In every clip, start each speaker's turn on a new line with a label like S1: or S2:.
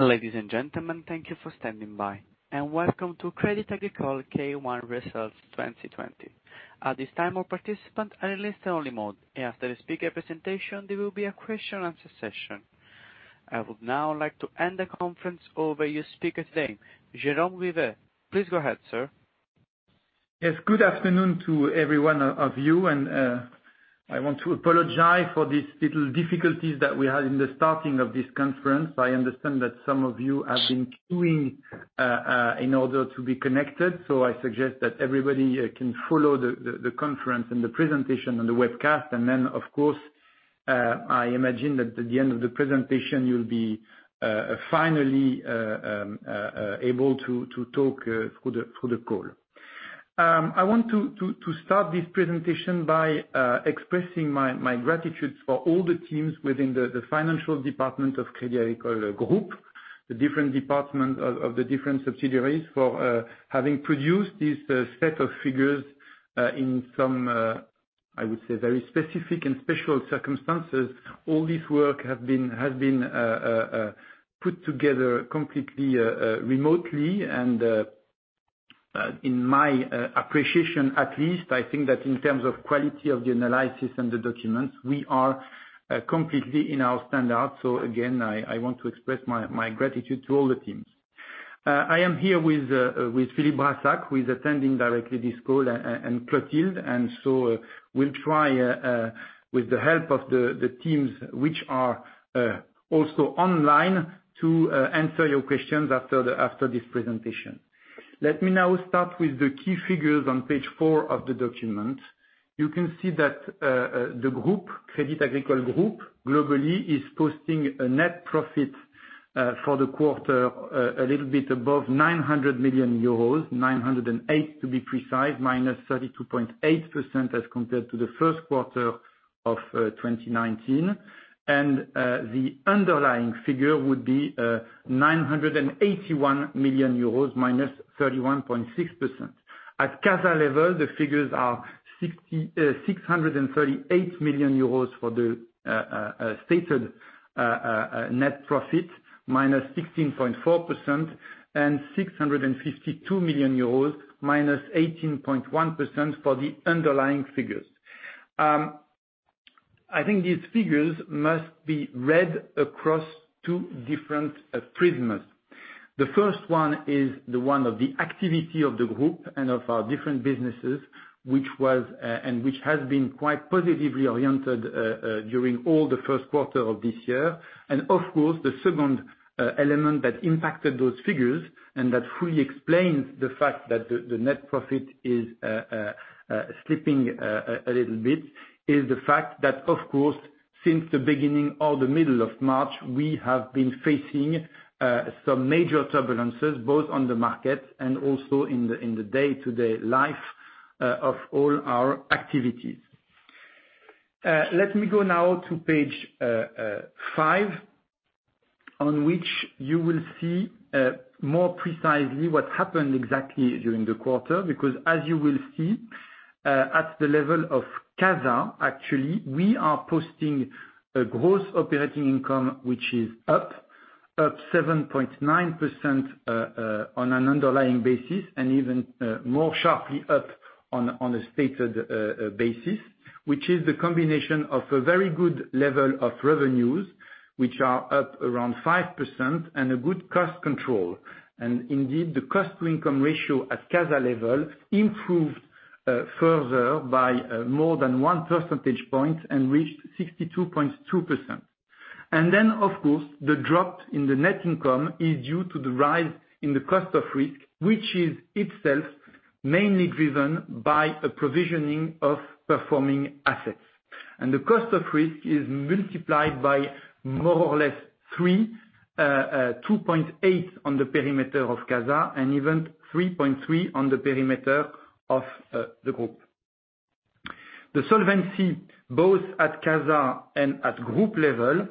S1: Ladies and gentlemen, thank you for standing by, and welcome to Crédit Agricole Q1 Results 2020. At this time, all participants are in listen-only mode. After the speaker presentation, there will be a question and answer session. I would now like to hand the conference over to your speaker today, Jérôme Grivet. Please go ahead, sir.
S2: Good afternoon to every one of you. I want to apologize for these little difficulties that we had in the starting of this conference. I understand that some of you have been queuing in order to be connected. I suggest that everybody can follow the conference and the presentation on the webcast. Of course, I imagine that at the end of the presentation, you'll be finally able to talk through the call. I want to start this presentation by expressing my gratitude for all the teams within the financial department of Crédit Agricole group, the different department of the different subsidiaries for having produced this set of figures in some, I would say, very specific and special circumstances. All this work has been put together completely remotely and, in my appreciation at least, I think that in terms of quality of the analysis and the documents, we are completely in our standard. Again, I want to express my gratitude to all the teams. I am here with Philippe Brassac, who is attending directly this call, and Clotilde. We'll try, with the help of the teams which are also online, to answer your questions after this presentation. Let me now start with the key figures on page four of the document. You can see that the Crédit Agricole group globally is posting a net profit for the quarter, a little bit above 900 million euros, 908 million to be precise, minus 32.8% as compared to the first quarter of 2019. The underlying figure would be 981 million euros, -31.6%. At CASA level, the figures are 638 million euros for the stated net profit, -16.4%, and 652 million euros, -18.1% for the underlying figures. I think these figures must be read across two different prisms. The first one is the one of the activity of the group and of our different businesses, which has been quite positively oriented during all the first quarter of this year. Of course, the second element that impacted those figures, and that fully explains the fact that the net profit is slipping a little bit, is the fact that, of course, since the beginning or the middle of March, we have been facing some major turbulences, both on the market and also in the day-to-day life of all our activities. Let me go now to page five, on which you will see more precisely what happened exactly during the quarter. Because as you will see, at the level of CASA, actually, we are posting a gross operating income, which is up 7.9% on an underlying basis, and even more sharply up on a stated basis, which is the combination of a very good level of revenues, which are up around 5%, and a good cost control. Indeed, the cost to income ratio at CASA level improved further by more than one percentage point and reached 62.2%. Then, of course, the drop in the net income is due to the rise in the cost of risk, which is itself mainly driven by a provisioning of performing assets. The cost of risk is multiplied by more or less three, 2.8x on the perimeter of CASA, and even 3.3x on the perimeter of the group. The solvency, both at CASA and at group level,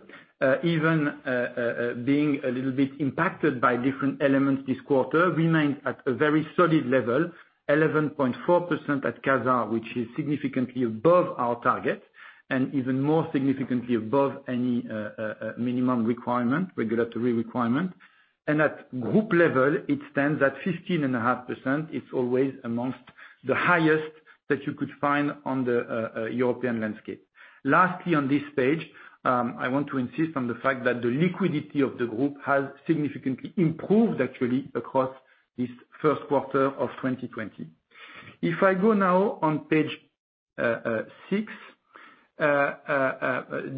S2: even being a little bit impacted by different elements this quarter, remains at a very solid level, 11.4% at CASA, which is significantly above our target, and even more significantly above any minimum regulatory requirement. At group level, it stands at 15.5%. It's always amongst the highest that you could find on the European landscape. Lastly, on this page, I want to insist on the fact that the liquidity of the group has significantly improved actually across this first quarter of 2020. If I go now on page six,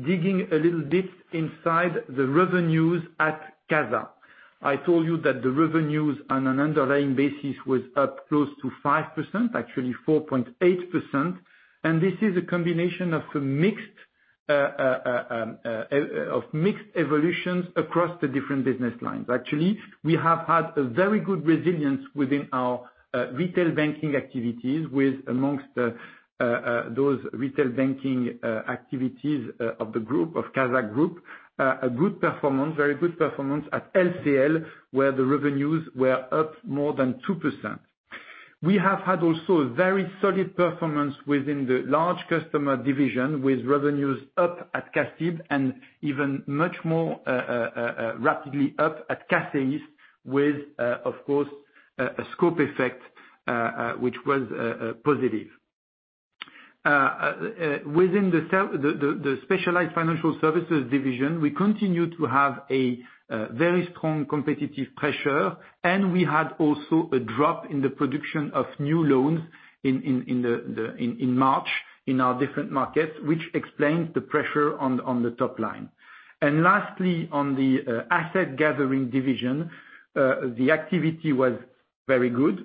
S2: digging a little bit inside the revenues at CASA. I told you that the revenues on an underlying basis was up close to 5%, actually 4.8%, this is a combination of mixed evolutions across the different business lines. Actually, we have had a very good resilience within our retail banking activities with, amongst those retail banking activities of the group, of CASA group, a very good performance at LCL, where the revenues were up more than 2%. We have had also very solid performance within the large customer division with revenues up at CACIB and even much more rapidly up at CACIB with, of course, a scope effect, which was positive. Within the specialized financial services division, we continue to have a very strong competitive pressure, we had also a drop in the production of new loans in March in our different markets, which explains the pressure on the top line. Lastly, on the asset gathering division, the activity was very good,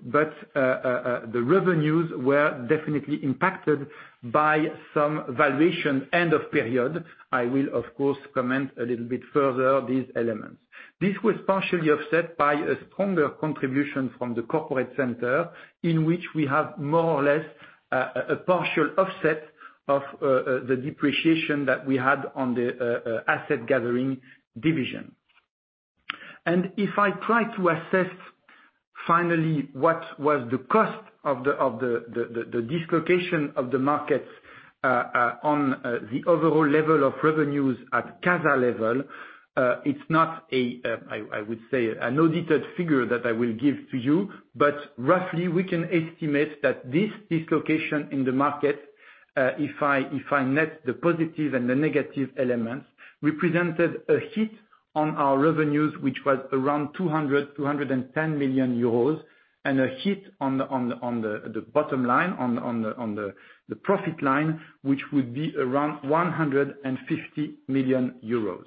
S2: the revenues were definitely impacted by some valuation end of period. I will, of course, comment a little bit further these elements. This was partially offset by a stronger contribution from the corporate center, in which we have more or less, a partial offset of the depreciation that we had on the asset gathering division. If I try to assess finally what was the cost of the dislocation of the markets on the overall level of revenues at CASA level, it's not, I would say, an audited figure that I will give to you, but roughly we can estimate that this dislocation in the market, if I net the positive and the negative elements, represented a hit on our revenues, which was around 200 million-210 million euros and a hit on the bottom line, on the profit line, which would be around 150 million euros.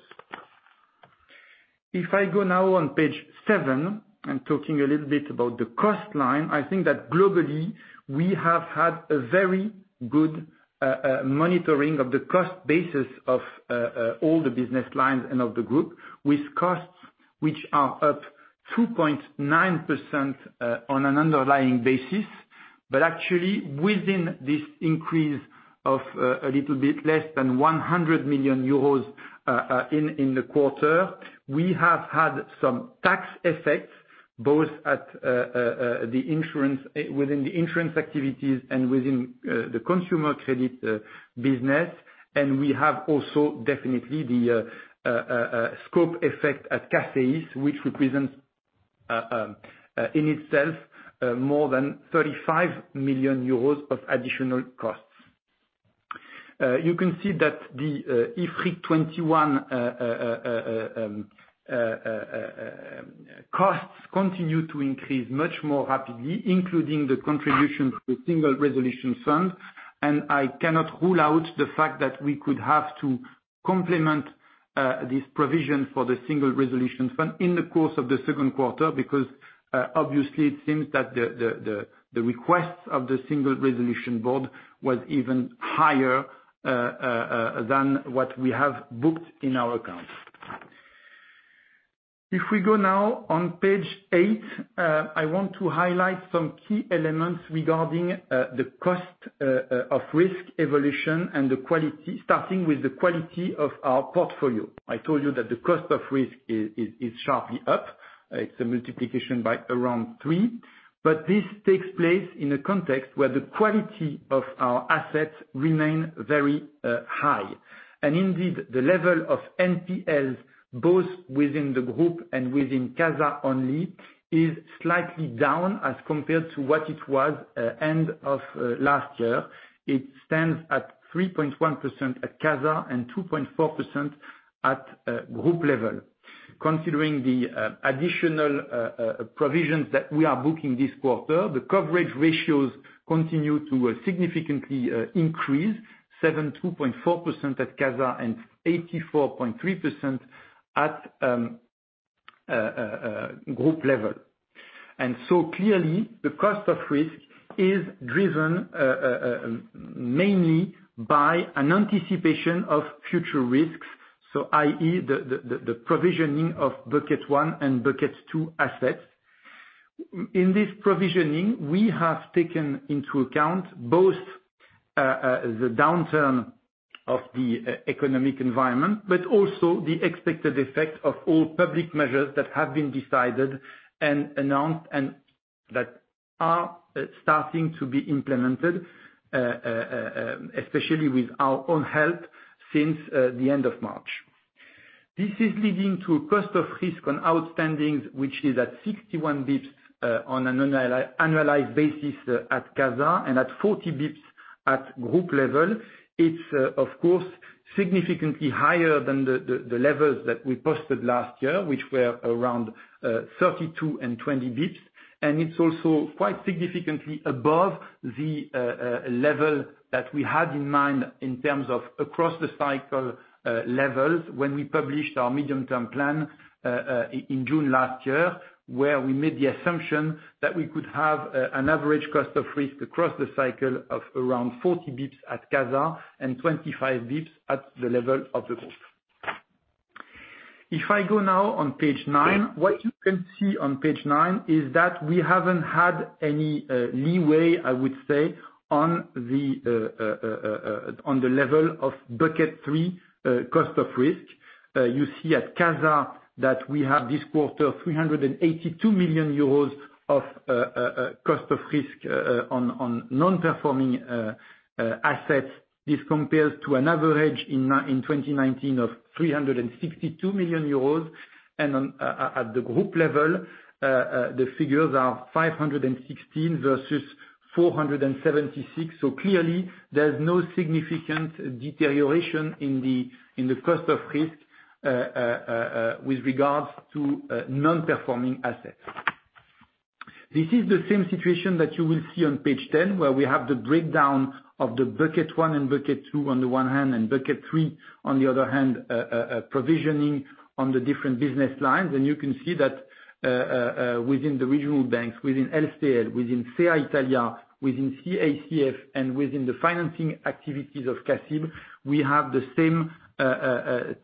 S2: If I go now on page seven, I'm talking a little bit about the cost line. I think that globally, we have had a very good monitoring of the cost basis of all the business lines and of the group with costs which are up 2.9% on an underlying basis. Actually, within this increase of a little bit less than 100 million euros in the quarter. We have had some tax effects, both within the insurance activities and within the consumer credit business. We have also definitely the scope effect at CACIB, which represents, in itself, more than 35 million euros of additional costs. You can see that the IFRIC 21 costs continue to increase much more rapidly, including the contribution to a Single Resolution Fund. I cannot rule out the fact that we could have to complement this provision for the Single Resolution Fund in the course of the second quarter, because, obviously it seems that the requests of the Single Resolution Board was even higher than what we have booked in our accounts. If we go now on page eight, I want to highlight some key elements regarding the cost of risk evolution and the quality, starting with the quality of our portfolio. I told you that the cost of risk is sharply up. It's a multiplication by around three. This takes place in a context where the quality of our assets remain very high. Indeed, the level of NPLs, both within the group and within CASA only, is slightly down as compared to what it was end of last year. It stands at 3.1% at CASA and 2.4% at group level. Considering the additional provisions that we are booking this quarter, the coverage ratios continue to significantly increase 72.4% at CASA and 84.3% at group level. Clearly, the cost of risk is driven mainly by an anticipation of future risks. i.e., the provisioning of bucket 1 and bucket 2 assets. In this provisioning, we have taken into account both the downturn of the economic environment, but also the expected effect of all public measures that have been decided and announced, and that are starting to be implemented, especially with our own help since the end of March. This is leading to a cost of risk on outstandings, which is at 61 basis points, on an annualized basis at CASA. At 40 basis points at group level, it's, of course, significantly higher than the levels that we posted last year, which were around 32 basis points and 20 basis points. It's also quite significantly above the level that we had in mind in terms of across the cycle, levels when we published our medium-term plan in June last year, where we made the assumption that we could have an average cost of risk across the cycle of around 40 basis points at CASA and 25 basis points at the level of the group. If I go now on page nine, what you can see on page nine is that we haven't had any leeway, I would say, on the level of bucket 3, cost of risk. You see at CASA that we have this quarter, 382 million euros of cost of risk on non-performing assets. This compares to an average in 2019 of 362 million euros. At the group level, the figures are 516 versus 476. Clearly, there's no significant deterioration in the cost of risk with regards to non-performing assets. This is the same situation that you will see on page 10, where we have the breakdown of the bucket 1 and bucket 2 on the one hand, and bucket 3 on the other hand, provisioning on the different business lines. You can see that within the regional banks, within LCL, within CA Italia, within CACF, and within the financing activities of CACIB, we have the same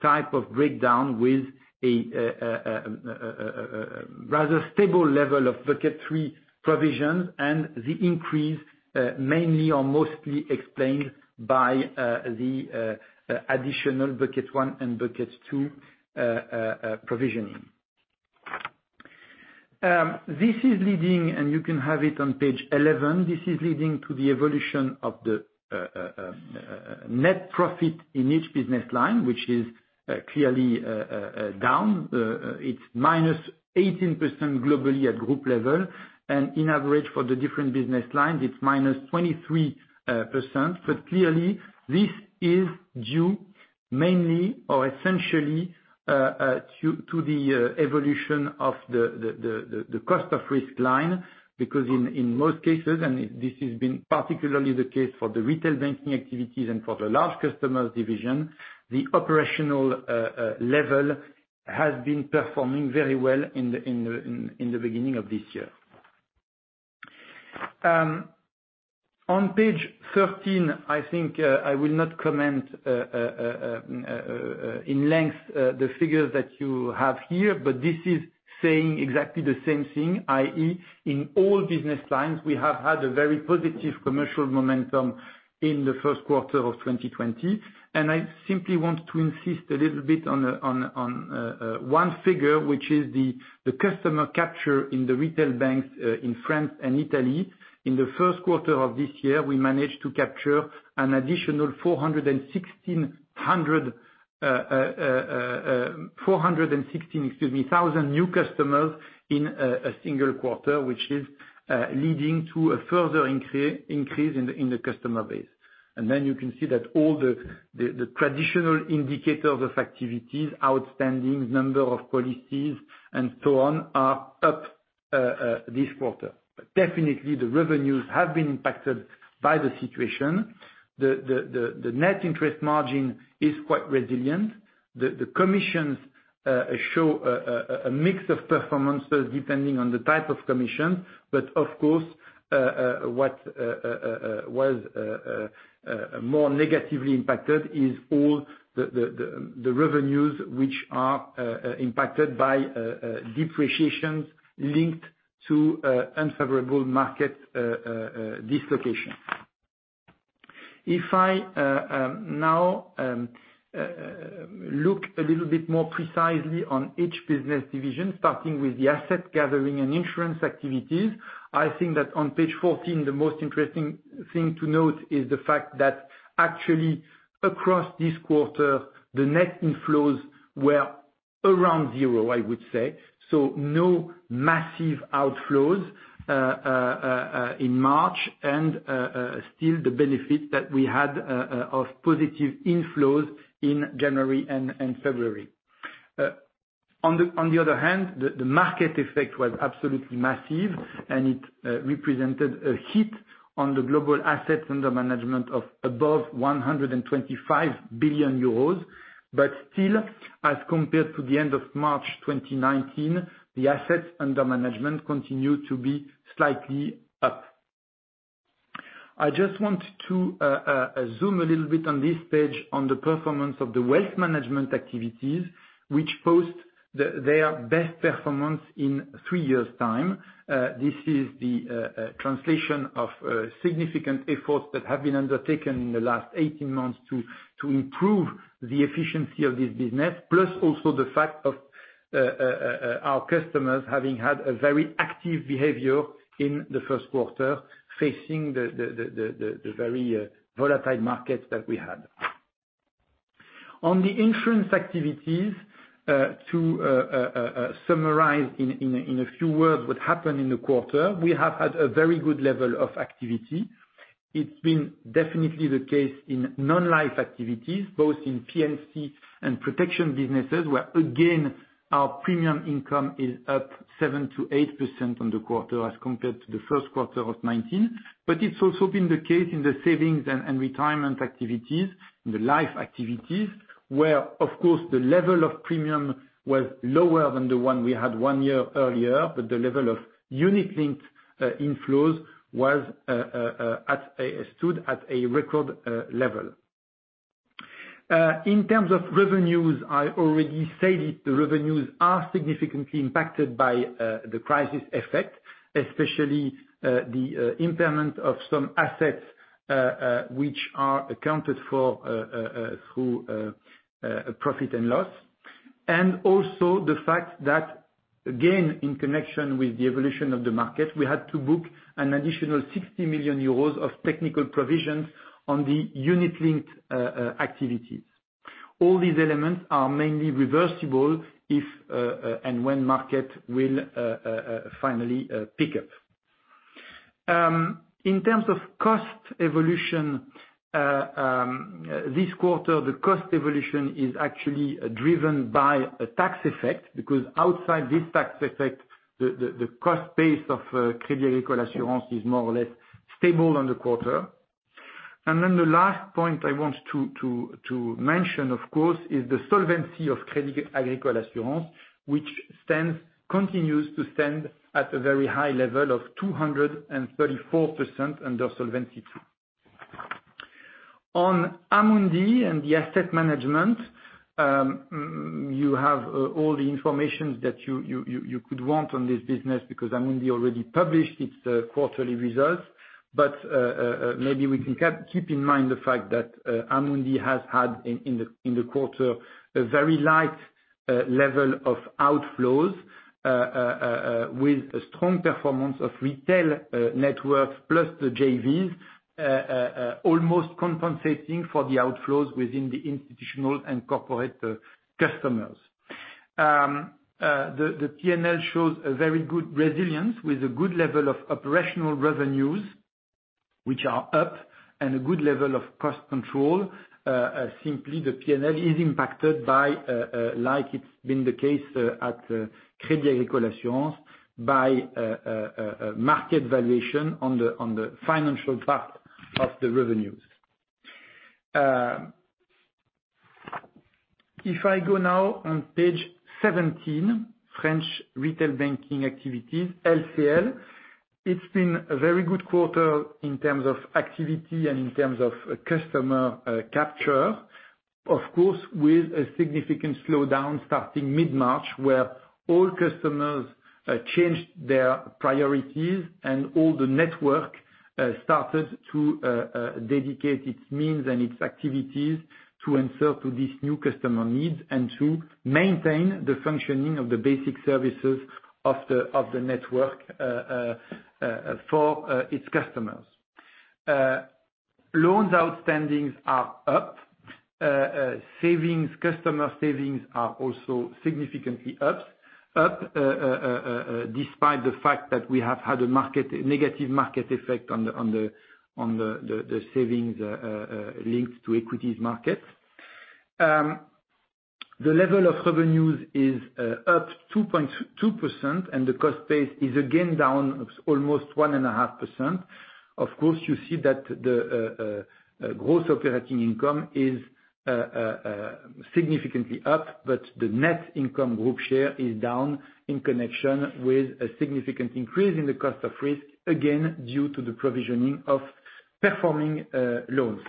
S2: type of breakdown with a rather stable level of bucket 3 provisions, and the increase, mainly or mostly explained by the additional bucket 1 and bucket 2 provisioning. This is leading, and you can have it on page 11. This is leading to the evolution of the net profit in each business line, which is clearly down. It's -18% globally at group level. In average for the different business lines, it's -23%. Clearly, this is due mainly or essentially, to the evolution of the cost of risk line. In most cases, and this has been particularly the case for the retail banking activities and for the large customers division, the operational level has been performing very well in the beginning of this year. On page 13, I think I will not comment in length the figures that you have here. This is saying exactly the same thing, i.e., in all business lines, we have had a very positive commercial momentum in the first quarter of 2020. I simply want to insist a little bit on one figure, which is the customer capture in the retail banks in France and Italy. In the first quarter of this year, we managed to capture an additional 416,000 new customers in a single quarter, which is leading to a further increase in the customer base. You can see that all the traditional indicators of activities, outstandings, number of policies, and so on, are up this quarter. Definitely, the revenues have been impacted by the situation. The net interest margin is quite resilient. The commissions show a mix of performances depending on the type of commission. Of course, what was more negatively impacted is all the revenues which are impacted by depreciations linked to unfavorable market dislocation. If I now look a little bit more precisely on each business division, starting with the asset gathering and insurance activities, I think that on page 14, the most interesting thing to note is the fact that actually across this quarter, the net inflows were around zero, I would say. No massive outflows in March, still the benefit that we had of positive inflows in January and February. On the other hand, the market effect was absolutely massive, it represented a hit on the global assets under management of above 125 billion euros. Still, as compared to the end of March 2019, the assets under management continue to be slightly up. I just want to zoom a little bit on this page on the performance of the wealth management activities, which post their best performance in three years' time. This is the translation of significant efforts that have been undertaken in the last 18 months to improve the efficiency of this business, plus also the fact of our customers having had a very active behavior in the first quarter, facing the very volatile markets that we had. On the insurance activities, to summarize in a few words what happened in the quarter, we have had a very good level of activity. It's been definitely the case in non-life activities, both in P&C and protection businesses, where again, our premium income is up 7%-8% on the quarter as compared to the first quarter of 2019. It's also been the case in the savings and retirement activities, in the life activities, where, of course, the level of premium was lower than the one we had one year earlier, but the level of unit-linked inflows stood at a record level. In terms of revenues, I already said it, the revenues are significantly impacted by the crisis effect, especially the impairment of some assets which are accounted for through profit and loss. Also the fact that, again, in connection with the evolution of the market, we had to book an additional 60 million euros of technical provisions on the unit-linked activities. All these elements are mainly reversible if and when market will finally pick up. In terms of cost evolution, this quarter, the cost evolution is actually driven by a tax effect because outside this tax effect, the cost base of Crédit Agricole Assurances is more or less stable on the quarter. The last point I want to mention, of course, is the solvency of Crédit Agricole Assurances, which continues to stand at a very high level of 234% under Solvency II. On Amundi and the asset management, you have all the information that you could want on this business because Amundi already published its quarterly results. Maybe we can keep in mind the fact that Amundi has had, in the quarter, a very light level of outflows with a strong performance of retail networks, plus the JVs, almost compensating for the outflows within the institutional and corporate customers. The P&L shows a very good resilience with a good level of operational revenues, which are up, and a good level of cost control. Simply, the P&L is impacted by, like it's been the case at Crédit Agricole Assurances, by market valuation on the financial part of the revenues. If I go now on page 17, French retail banking activities, LCL, it's been a very good quarter in terms of activity and in terms of customer capture. Of course, with a significant slowdown starting mid-March, where all customers changed their priorities and all the network started to dedicate its means and its activities to answer to these new customer needs and to maintain the functioning of the basic services of the network for its customers. Loans outstandings are up. Customer savings are also significantly up, despite the fact that we have had a negative market effect on the savings linked to equities markets. The level of revenues is up 2.2%. The cost base is again down almost 1.5%. Of course, you see that the gross operating income is significantly up. The net income group share is down in connection with a significant increase in the cost of risk, again, due to the provisioning of performing loans.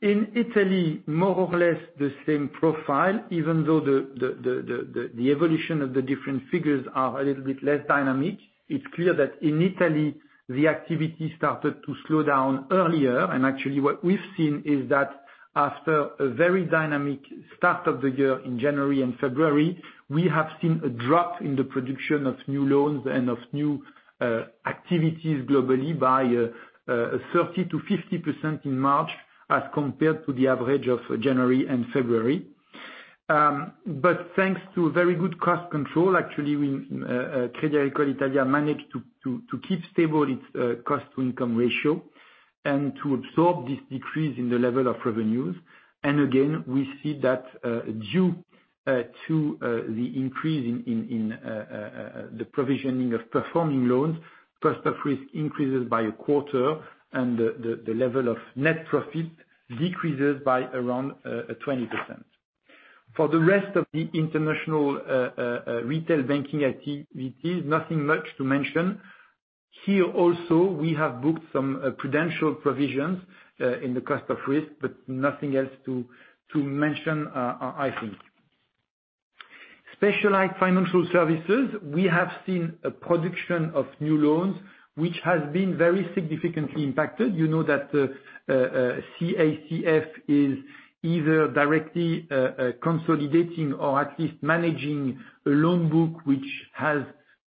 S2: In Italy, more or less the same profile, even though the evolution of the different figures are a little bit less dynamic. It's clear that in Italy, the activity started to slow down earlier, and actually what we've seen is that after a very dynamic start of the year in January and February, we have seen a drop in the production of new loans and of new activities globally by 30%-50% in March as compared to the average of January and February. Thanks to a very good cost control, actually, Crédit Agricole Italia managed to keep stable its cost-to-income ratio and to absorb this decrease in the level of revenues. Again, we see that due to the increase in the provisioning of performing loans, cost of risk increases by a quarter and the level of net profit decreases by around 20%. For the rest of the international retail banking activities, nothing much to mention. Here also, we have booked some prudential provisions in the cost of risk, but nothing else to mention, I think. Specialized financial services, we have seen a production of new loans, which has been very significantly impacted. You know that CACF is either directly consolidating or at least managing a loan book, which has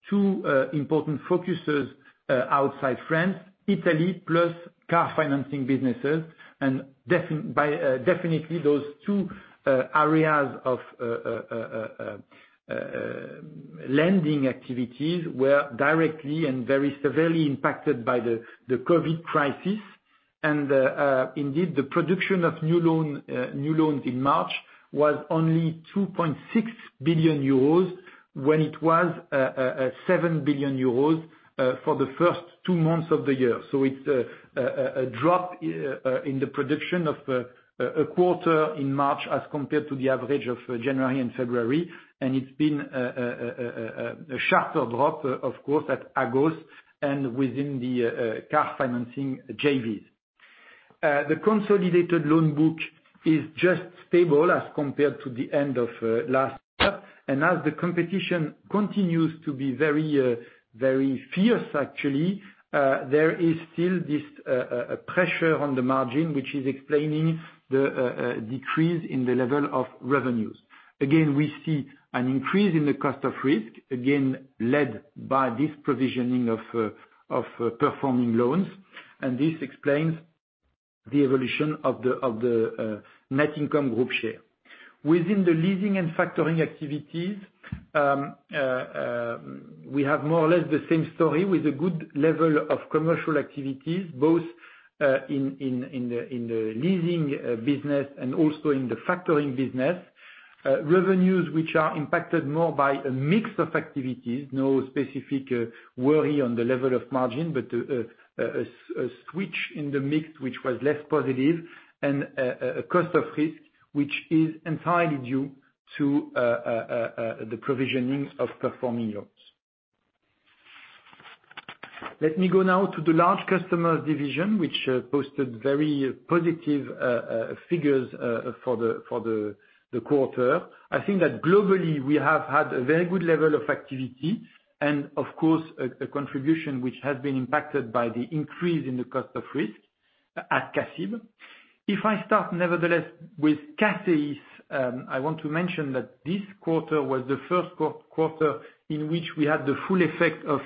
S2: two important focuses outside France, Italy, plus car financing businesses. Definitely, those two areas of lending activities were directly and very severely impacted by the COVID crisis. Indeed, the production of new loans in March was only 2.6 billion euros when it was 7 billion euros for the first two months of the year. It's a drop in the production of a quarter in March as compared to the average of January and February. It's been a sharper drop, of course, at Agos and within the car financing JVs. The consolidated loan book is just stable as compared to the end of last quarter. As the competition continues to be very fierce, actually, there is still this pressure on the margin, which is explaining the decrease in the level of revenues. Again, we see an increase in the cost of risk, again, led by this provisioning of performing loans, and this explains the evolution of the net income group share. Within the leasing and factoring activities, we have more or less the same story, with a good level of commercial activities, both in the leasing business and also in the factoring business. Revenues, which are impacted more by a mix of activities, no specific worry on the level of margin, but a switch in the mix which was less positive and a cost of risk, which is entirely due to the provisionings of performing loans. Let me go now to the large customer division, which posted very positive figures for the quarter. I think that globally, we have had a very good level of activity and, of course, a contribution which has been impacted by the increase in the cost of risk at CACEIS. If I start, nevertheless, with CACEIS, I want to mention that this quarter was the first quarter in which we had the full effect of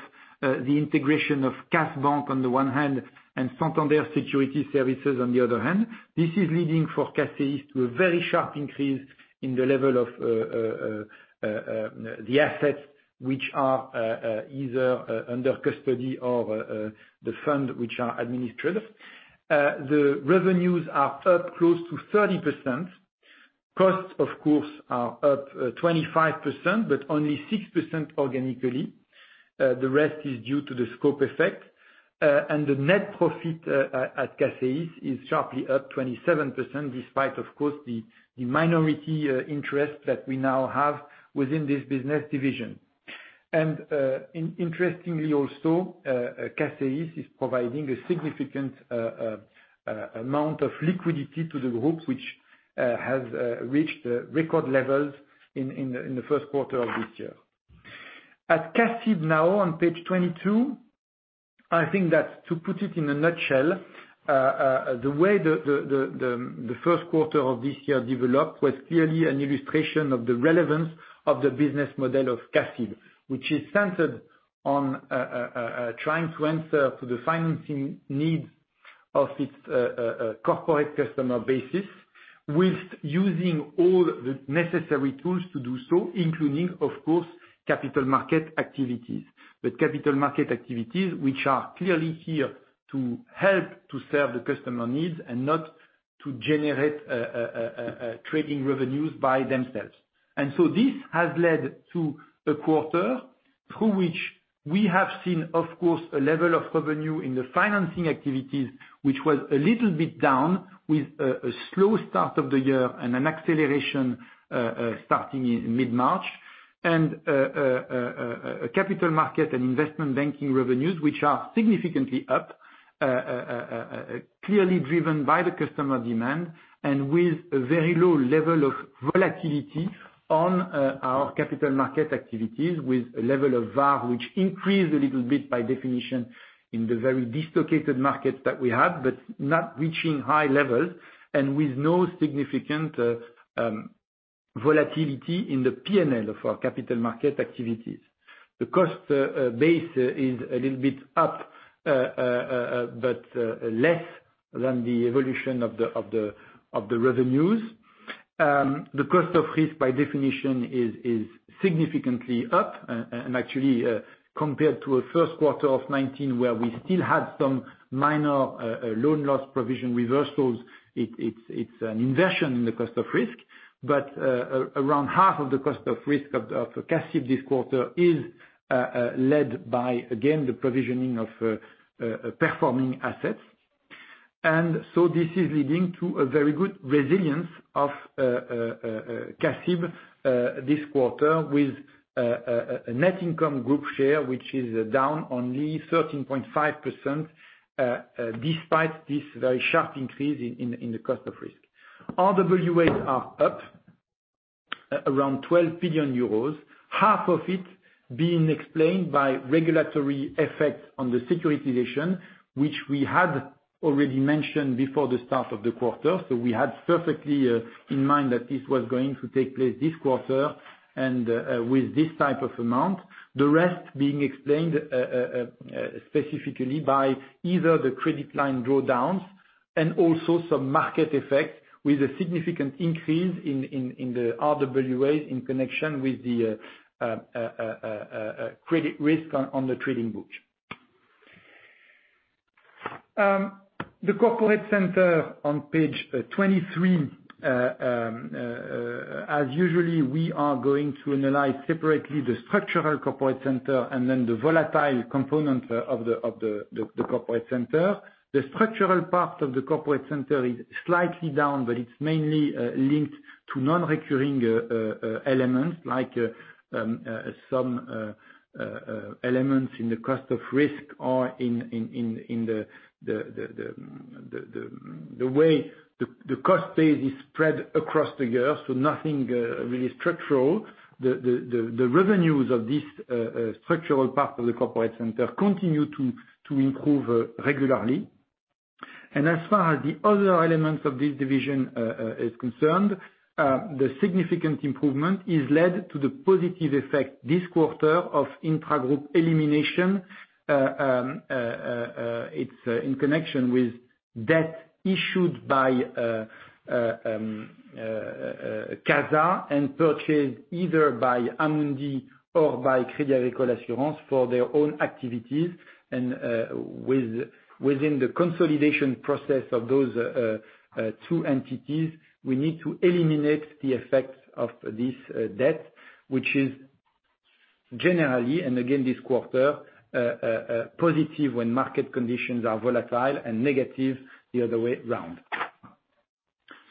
S2: the integration of KAS Bank on the one hand, and Santander Securities Services on the other hand. This is leading for CACEIS to a very sharp increase in the level of the assets which are either under custody of the fund, which are administered. The revenues are up close to 30%. Costs, of course, are up 25%, but only 6% organically. The rest is due to the scope effect. The net profit at CACEIS is sharply up 27%, despite, of course, the minority interest that we now have within this business division. Interestingly also, CACEIS is providing a significant amount of liquidity to the group, which has reached record levels in the first quarter of this year. At CACEIS now, on page 22, I think that to put it in a nutshell, the way the first quarter of this year developed was clearly an illustration of the relevance of the business model of CACEIS, which is centered on trying to answer to the financing needs of its corporate customer base with using all the necessary tools to do so, including, of course, capital market activities. Capital market activities, which are clearly here to help to serve the customer needs and not to generate trading revenues by themselves. This has led to a quarter through which we have seen, of course, a level of revenue in the financing activities, which was a little bit down with a slow start of the year and an acceleration starting in mid-March, and capital market and investment banking revenues, which are significantly up, clearly driven by the customer demand and with a very low level of volatility on our capital market activities, with a level of VaR, which increased a little bit by definition in the very dislocated markets that we have, but not reaching high levels and with no significant volatility in the P&L of our capital market activities. The cost base is a little bit up, but less than the evolution of the revenues. The cost of risk by definition is significantly up. Actually, compared to a first quarter of 2019 where we still had some minor loan loss provision reversals, it's an inversion in the cost of risk, around half of the cost of risk of CACEIS this quarter is led by, again, the provisioning of performing assets. This is leading to a very good resilience of CACEIS this quarter with a net income group share, which is down only 13.5% despite this very sharp increase in the cost of risk. RWA are up around 12 billion euros, half of it being explained by regulatory effects on the securitization, which we had already mentioned before the start of the quarter. We had perfectly in mind that this was going to take place this quarter and with this type of amount. The rest being explained specifically by either the credit line drawdowns and also some market effect with a significant increase in the RWA in connection with the credit risk on the trading book. The corporate center on page 23. As usual, we are going to analyze separately the structural corporate center and then the volatile component of the corporate center. The structural part of the corporate center is slightly down, but it's mainly linked to non-recurring elements like some elements in the cost of risk or in the way the cost base is spread across the year. Nothing really structural. The revenues of this structural part of the corporate center continue to improve regularly. As far as the other elements of this division is concerned, the significant improvement is led to the positive effect this quarter of intragroup elimination. It's in connection with debt issued by CASA and purchased either by Amundi or by Crédit Agricole Assurances for their own activities. Within the consolidation process of those two entities, we need to eliminate the effects of this debt, which is generally, and again this quarter, positive when market conditions are volatile and negative the other way round.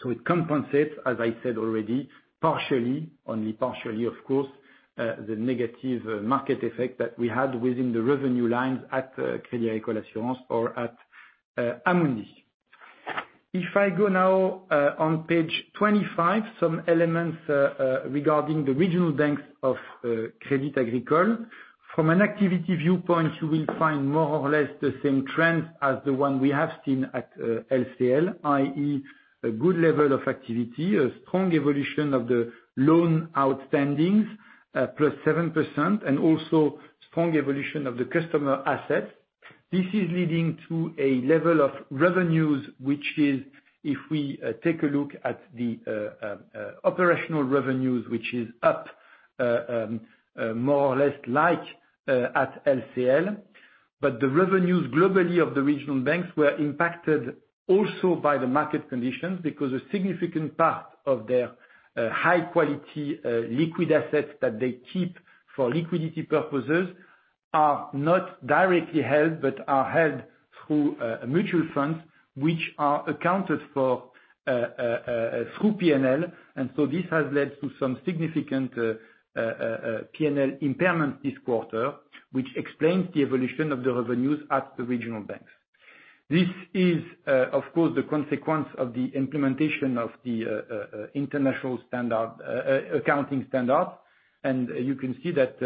S2: It compensates, as I said already, partially, only partially, of course, the negative market effect that we had within the revenue lines at Crédit Agricole Assurances or at Amundi. If I go now on page 25, some elements regarding the regional banks of Crédit Agricole. From an activity viewpoint, you will find more or less the same trends as the one we have seen at LCL, i.e., a good level of activity, a strong evolution of the loan outstandings, plus 7%, and also strong evolution of the customer assets. This is leading to a level of revenues, which is, if we take a look at the operational revenues, which is up more or less like at LCL. The revenues globally of the Regional Banks were impacted also by the market conditions because a significant part of their high-quality liquid assets that they keep for liquidity purposes are not directly held, but are held through mutual funds, which are accounted for through P&L. This has led to some significant P&L impairment this quarter, which explains the evolution of the revenues at the Regional Banks. This is, of course, the consequence of the implementation of the international accounting standard. You can see that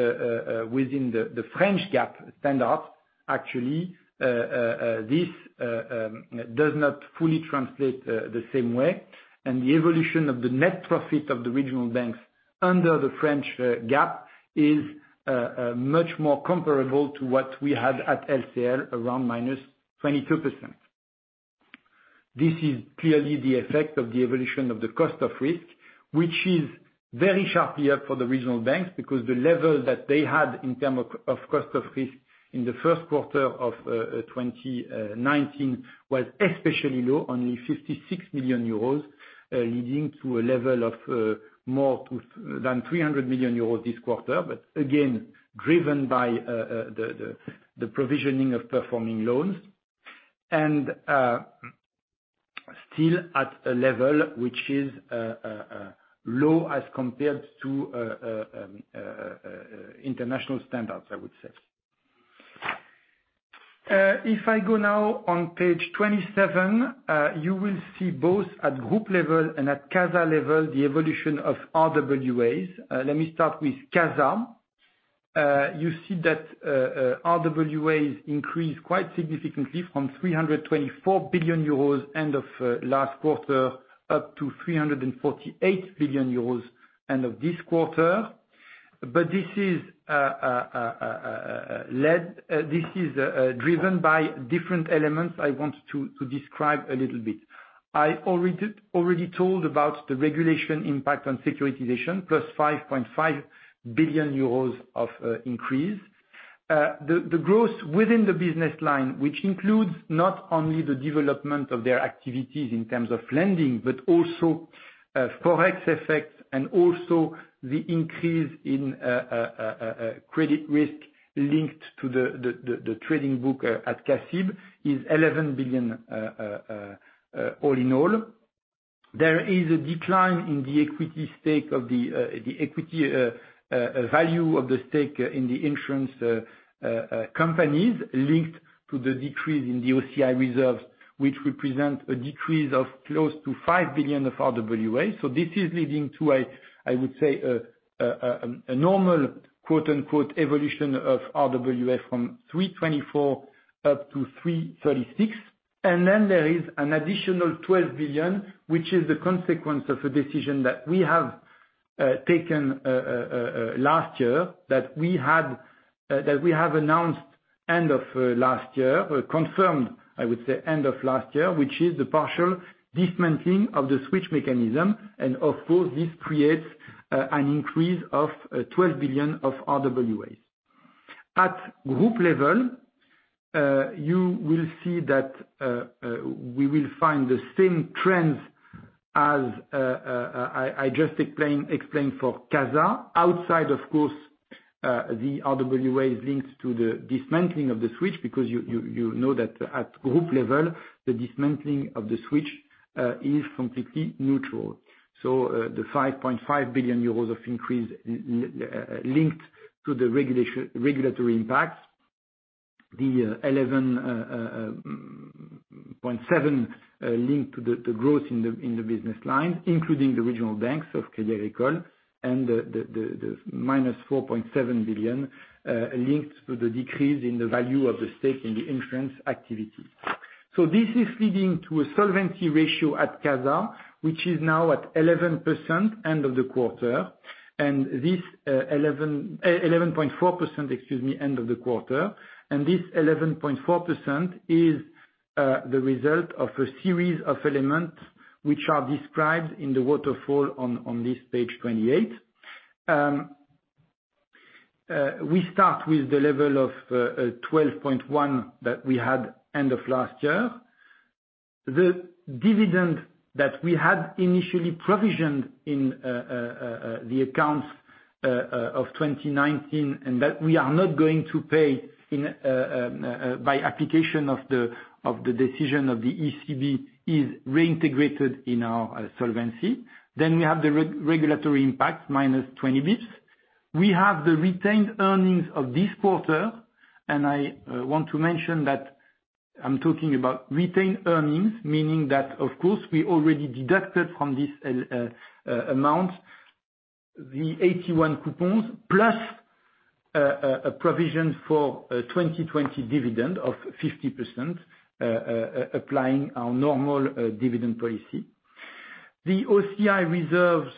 S2: within the French GAAP standard, actually, this does not fully translate the same way, and the evolution of the net profit of the regional banks under the French GAAP is much more comparable to what we had at LCL, around minus 22%. This is clearly the effect of the evolution of the cost of risk, which is very sharp here for the regional banks because the level that they had in term of cost of risk in the first quarter of 2019 was especially low, only 56 million euros, leading to a level of more to than 300 million euros this quarter, but again, driven by the provisioning of performing loans. Still at a level which is low as compared to international standards, I would say. If I go now on page 27, you will see both at group level and at CASA level, the evolution of RWAs. Let me start with CASA. You see that RWAs increased quite significantly from 324 billion euros end of last quarter up to 348 billion euros end of this quarter. This is driven by different elements I want to describe a little bit. I already told about the regulation impact on securitization, plus 5.5 billion euros of increase. The growth within the business line, which includes not only the development of their activities in terms of lending, but also forex effects and also the increase in credit risk linked to the trading book at CACIB is 11 billion all in all. There is a decline in the equity value of the stake in the insurance companies linked to the decrease in the OCI reserves, which represent a decrease of close to 5 billion of RWA. This is leading to, I would say, a normal, quote-unquote, "evolution of RWA" from 324-336. Then there is an additional 12 billion, which is the consequence of a decision that we have taken last year, that we have announced end of last year, or confirmed, I would say, end of last year, which is the partial dismantling of the Switch mechanism. Of course, this creates an increase of 12 billion of RWAs. At group level, you will see that we will find the same trends as I just explained for CASA. Outside, of course, the RWAs linked to the dismantling of the Switch, because you know that at group level, the dismantling of the Switch is completely neutral. The 5.5 billion euros of increase linked to the regulatory impacts, the 11.7 billion linked to the growth in the business line, including the regional banks of Crédit Agricole, and the minus 4.7 billion linked to the decrease in the value of the stake in the insurance activity. This is leading to a solvency ratio at CASA, which is now at 11% end of the quarter. 11.4%, excuse me, end of the quarter. This 11.4% is the result of a series of elements which are described in the waterfall on this page 28. We start with the level of 12.1% that we had end of last year. The dividend that we had initially provisioned in the accounts of 2019, and that we are not going to pay by application of the decision of the ECB, is reintegrated in our solvency. We have the regulatory impact, minus 20 basis points. We have the retained earnings of this quarter. I want to mention that I'm talking about retained earnings, meaning that, of course, we already deducted from this amount the AT1 coupons plus a provision for 2020 dividend of 50%, applying our normal dividend policy. The OCI reserves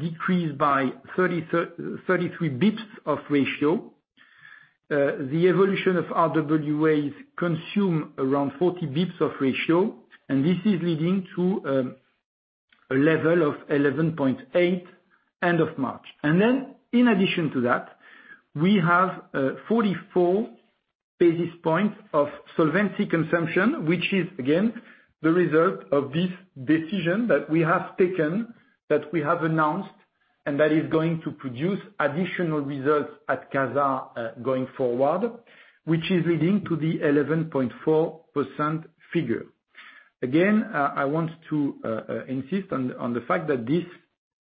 S2: decreased by 33 basis points of ratio. The evolution of RWAs consumed around 40 basis points of ratio. This is leading to a level of 11.8 end of March. In addition to that, we have 44 basis points of solvency consumption, which is, again, the result of this decision that we have taken, that we have announced, and that is going to produce additional results at CASA going forward, which is leading to the 11.4% figure. I want to insist on the fact that this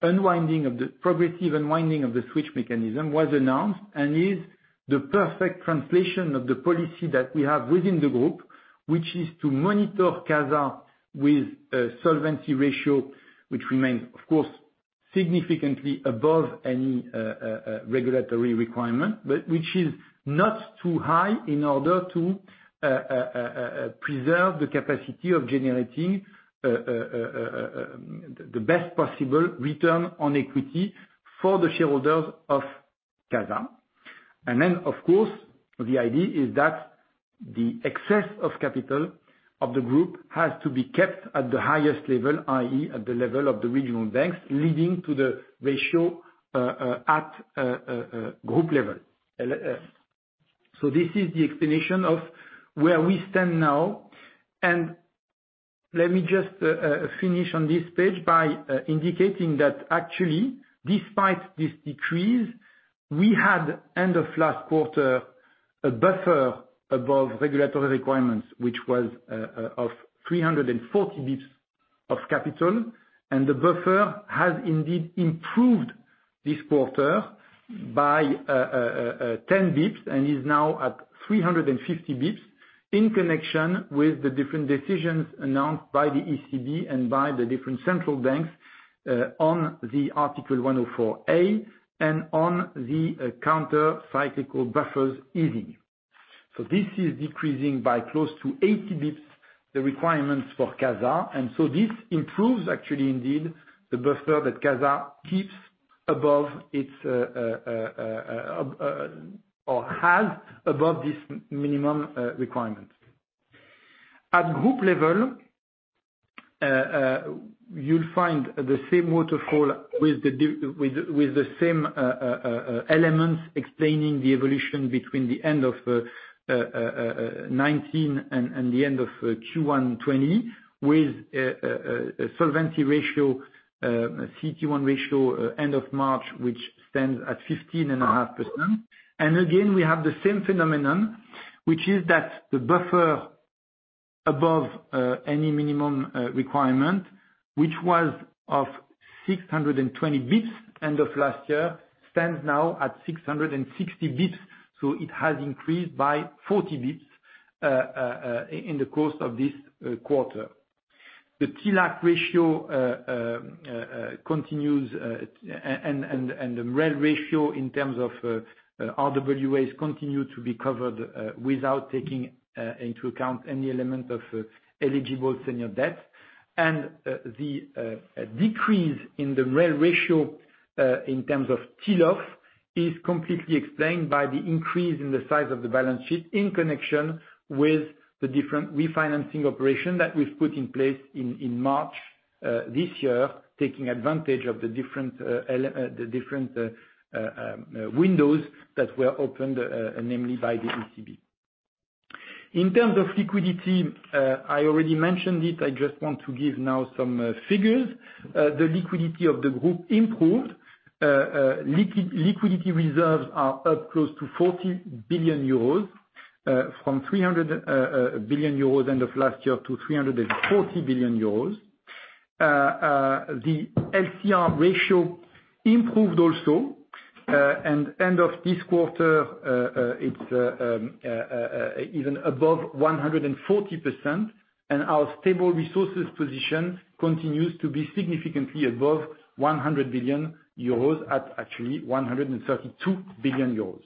S2: progressive unwinding of the Switch mechanism was announced and is the perfect translation of the policy that we have within the group, which is to monitor CASA with a solvency ratio, which remains, of course, significantly above any regulatory requirement, but which is not too high in order to preserve the capacity of generating the best possible return on equity for the shareholders of CASA. Of course, the idea is that the excess of capital of the group has to be kept at the highest level, i.e., at the level of the regional banks, leading to the ratio at group level. This is the explanation of where we stand now. Let me just finish on this page by indicating that actually, despite this decrease, we had, end of last quarter, a buffer above regulatory requirements, which was of 340 basis points of capital. The buffer has indeed improved this quarter by 10 basis points and is now at 350 basis points, in connection with the different decisions announced by the ECB and by the different central banks on the Article 104a and on the counter-cyclical buffers easing. This is decreasing by close to 80 basis points, the requirements for CASA. This improves, actually, indeed, the buffer that CASA keeps above its or has above this minimum requirement. At group level, you'll find the same waterfall with the same elements explaining the evolution between the end of 2019 and the end of Q1 2020, with a solvency ratio, CET1 ratio end of March, which stands at 15.5%. Again, we have the same phenomenon, which is that the buffer above any minimum requirement, which was of 620 basis points end of last year, stands now at 660 basis points. It has increased by 40 basis points in the course of this quarter. The TLAC ratio continues, and the MREL ratio in terms of RWAs continue to be covered without taking into account any element of eligible senior debt. The decrease in the MREL ratio, in terms of TLAC, is completely explained by the increase in the size of the balance sheet in connection with the different refinancing operation that we've put in place in March this year, taking advantage of the different windows that were opened, namely by the ECB. In terms of liquidity, I already mentioned it. I just want to give now some figures. The liquidity of the group improved. Liquidity reserves are up close to 40 billion euros, from 300 billion euros end of last year to 340 billion euros. The LCR ratio improved also, and end of this quarter, it's even above 140%, and our stable resources position continues to be significantly above 100 billion euros at actually 132 billion euros.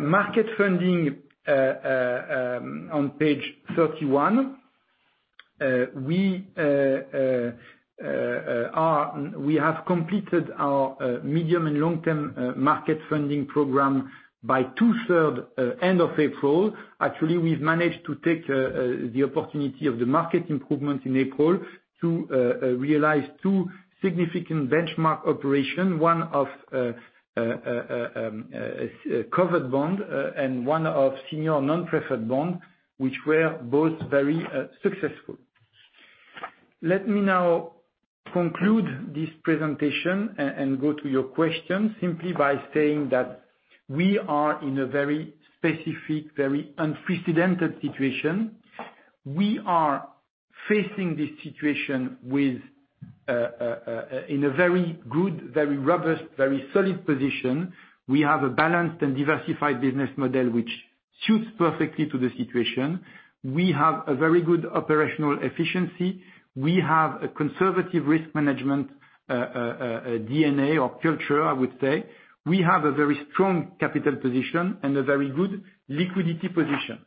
S2: Market funding on page 31. We have completed our medium and long-term market funding program by 2/3 end of April. Actually, we've managed to take the opportunity of the market improvements in April to realize two significant benchmark operations, one of covered bond, and one of senior non-preferred bond, which were both very successful. Let me now conclude this presentation and go to your questions simply by saying that we are in a very specific, very unprecedented situation. We are facing this situation in a very good, very robust, very solid position. We have a balanced and diversified business model, which suits perfectly to the situation. We have a very good operational efficiency. We have a conservative risk management, DNA or culture, I would say. We have a very strong capital position and a very good liquidity position.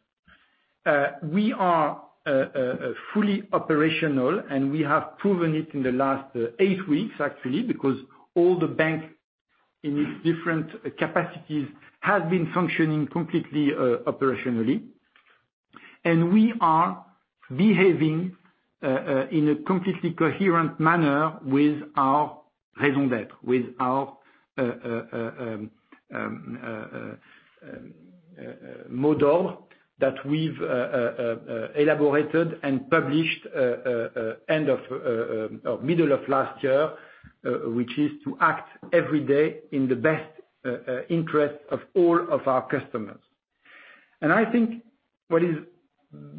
S2: We are fully operational, and we have proven it in the last eight weeks actually, because all the banks in their different capacities have been functioning completely operationally. We are behaving in a completely coherent manner with our raison d'être, with our model that we've elaborated and published middle of last year, which is to act every day in the best interest of all of our customers. I think what is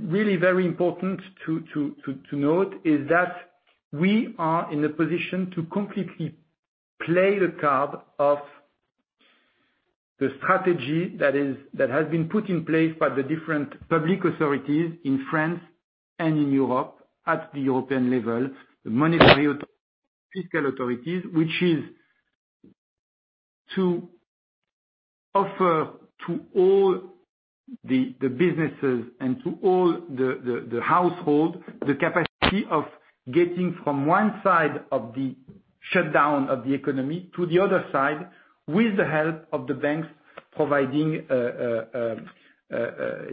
S2: really very important to note is that we are in a position to completely play the card of the strategy that has been put in place by the different public authorities in France and in Europe at the European level, the monetary fiscal authorities, which is to offer to all the businesses and to all the households, the capacity of getting from one side of the shutdown of the economy to the other side, with the help of the banks providing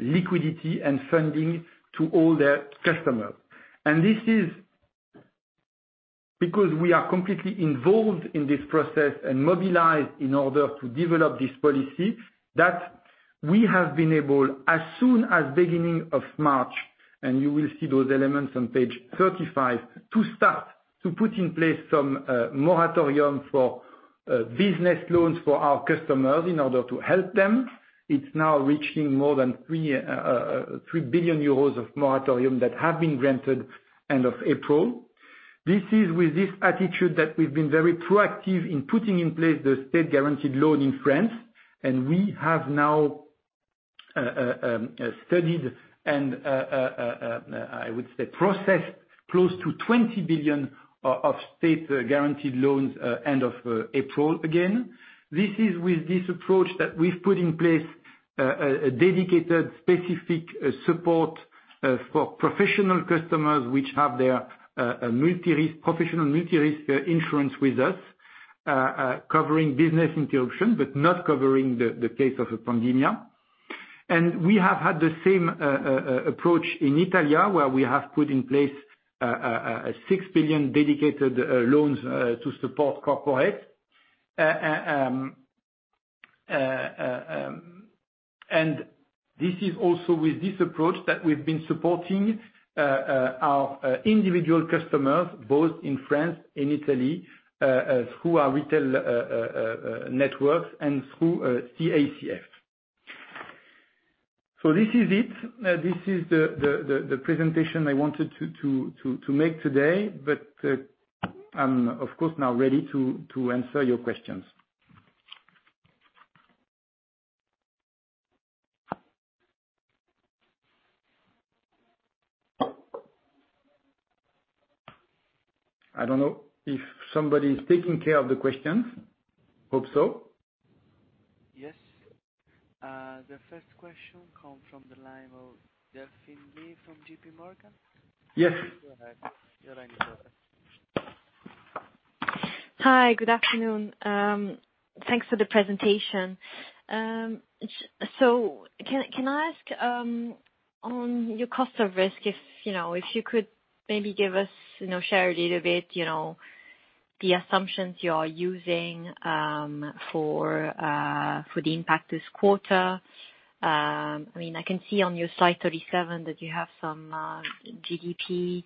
S2: liquidity and funding to all their customers. This is because we are completely involved in this process and mobilized in order to develop this policy, that we have been able, as soon as beginning of March, and you will see those elements on page 35, to start to put in place some moratorium for business loans for our customers in order to help them. It's now reaching more than 3 billion euros of moratorium that have been granted end of April. This is with this attitude that we've been very proactive in putting in place the state guaranteed loan in France, and we have now studied and, I would say, processed close to 20 billion of state guaranteed loans, end of April again. This is with this approach that we've put in place a dedicated, specific support for professional customers which have their professional multi-risk insurance with us, covering business interruption, but not covering the case of a pandemic. We have had the same approach in Italy, where we have put in place 6 billion dedicated loans to support corporate. This is also with this approach that we've been supporting our individual customers, both in France and Italy, through our retail networks and through CACF. This is it. This is the presentation I wanted to make today. I'm of course now ready to answer your questions. I don't know if somebody is taking care of the questions. Hope so.
S1: Yes. The first question comes from the line of Delphine Lee from JPMorgan.
S2: Yes.
S1: Go ahead. You're on.
S3: Hi. Good afternoon. Thanks for the presentation. Can I ask, on your cost of risk if you could maybe share a little bit the assumptions you are using for the impact this quarter? I can see on your slide 37 that you have some GDP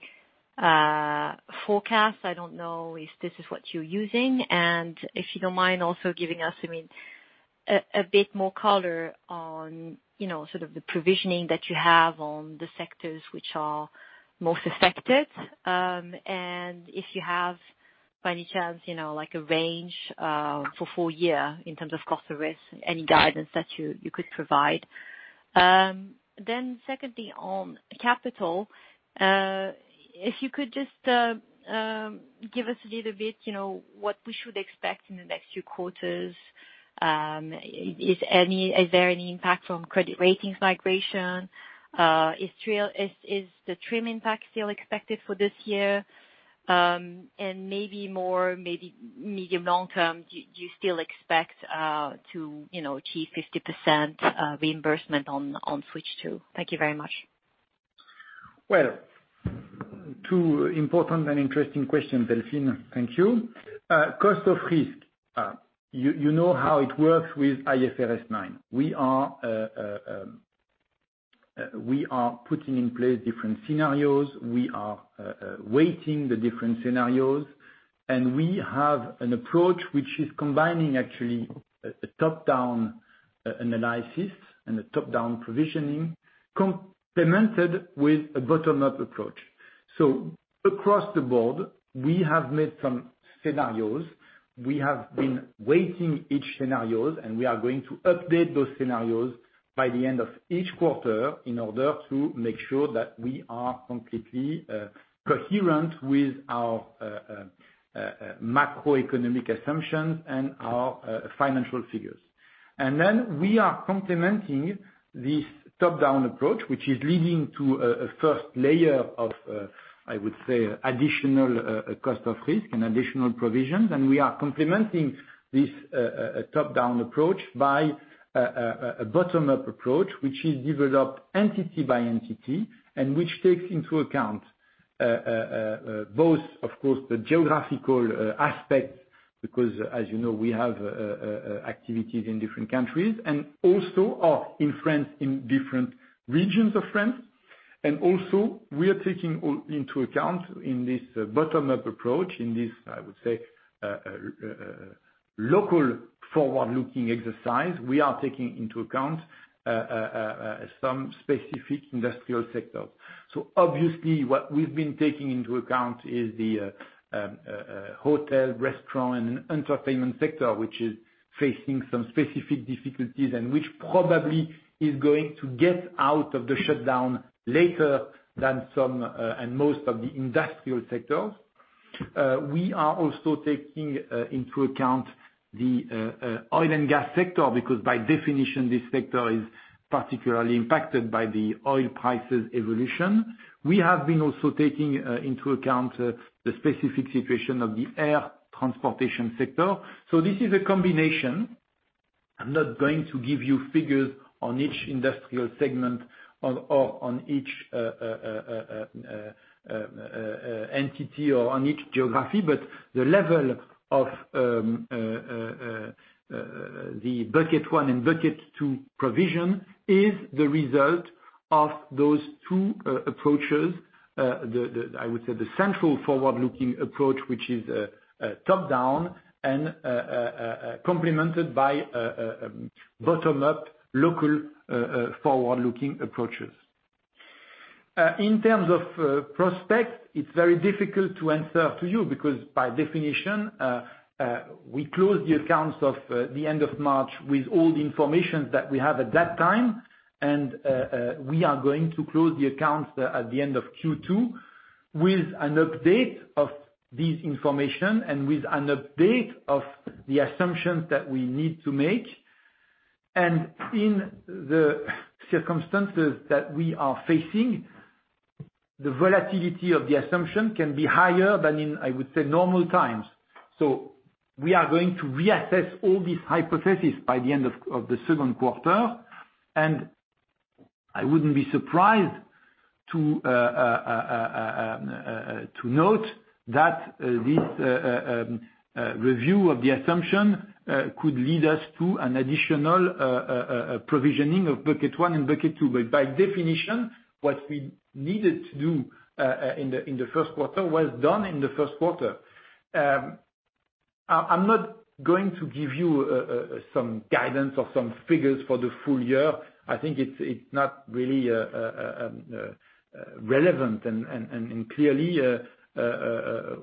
S3: forecast. I don't know if this is what you're using, if you don't mind also giving us a bit more color on sort of the provisioning that you have on the sectors which are most affected. If you have, by any chance, like a range for full year in terms of cost of risk, any guidance that you could provide. Secondly, on capital, if you could just give us a little bit, what we should expect in the next few quarters. Is there any impact from credit ratings migration? Is the TRIM impact still expected for this year? Maybe more, maybe medium long-term, do you still expect to achieve 50% reimbursement on Switch 2? Thank you very much.
S2: Two important and interesting questions, Delphine. Thank you. Cost of risk. You know how it works with IFRS 9. We are putting in place different scenarios. We are weighting the different scenarios, and we have an approach which is combining, actually, a top-down analysis and a top-down provisioning complemented with a bottom-up approach. Across the board, we have made some scenarios. We have been weighting each scenario, and we are going to update those scenarios by the end of each quarter in order to make sure that we are completely coherent with our macroeconomic assumptions and our financial figures. Then we are complementing this top-down approach, which is leading to a first layer of, I would say, additional cost of risk and additional provisions, and we are complementing this top-down approach by a bottom-up approach. Which is developed entity by entity, and which takes into account both, of course, the geographical aspects, because as you know, we have activities in different countries, and also in France, in different regions of France. Also, we are taking into account in this bottom-up approach, in this, I would say, local forward-looking exercise, we are taking into account some specific industrial sectors. Obviously, what we've been taking into account is the hotel, restaurant, and entertainment sector, which is facing some specific difficulties, and which probably is going to get out of the shutdown later than some, and most of the industrial sectors. We are also taking into account the oil and gas sector, because by definition, this sector is particularly impacted by the oil prices evolution. We have been also taking into account the specific situation of the air transportation sector. This is a combination. I'm not going to give you figures on each industrial segment or on each entity or on each geography, but the level of the bucket 1 and bucket 2 provision is the result of those two approaches. I would say the central forward-looking approach, which is top-down and complemented by bottom-up, local forward-looking approaches. In terms of prospects, it's very difficult to answer to you because by definition, we close the accounts of the end of March with all the information that we have at that time. We are going to close the accounts at the end of Q2 with an update of this information and with an update of the assumptions that we need to make. In the circumstances that we are facing, the volatility of the assumption can be higher than in, I would say, normal times. We are going to reassess all these hypotheses by the end of the second quarter. I wouldn't be surprised to note that this review of the assumption could lead us to an additional provisioning of bucket one and bucket two. By definition, what we needed to do in the first quarter was done in the first quarter. I'm not going to give you some guidance or some figures for the full year. I think it's not really relevant, and clearly,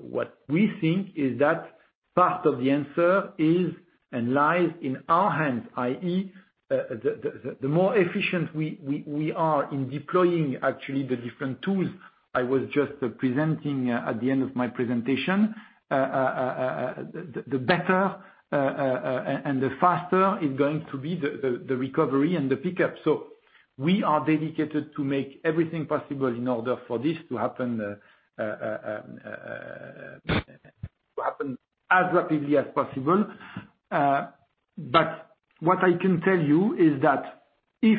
S2: what we think is that part of the answer is and lies in our hands, i.e., the more efficient we are in deploying, actually, the different tools I was just presenting at the end of my presentation, the better and the faster is going to be the recovery and the pickup. We are dedicated to make everything possible in order for this to happen as rapidly as possible. What I can tell you is that if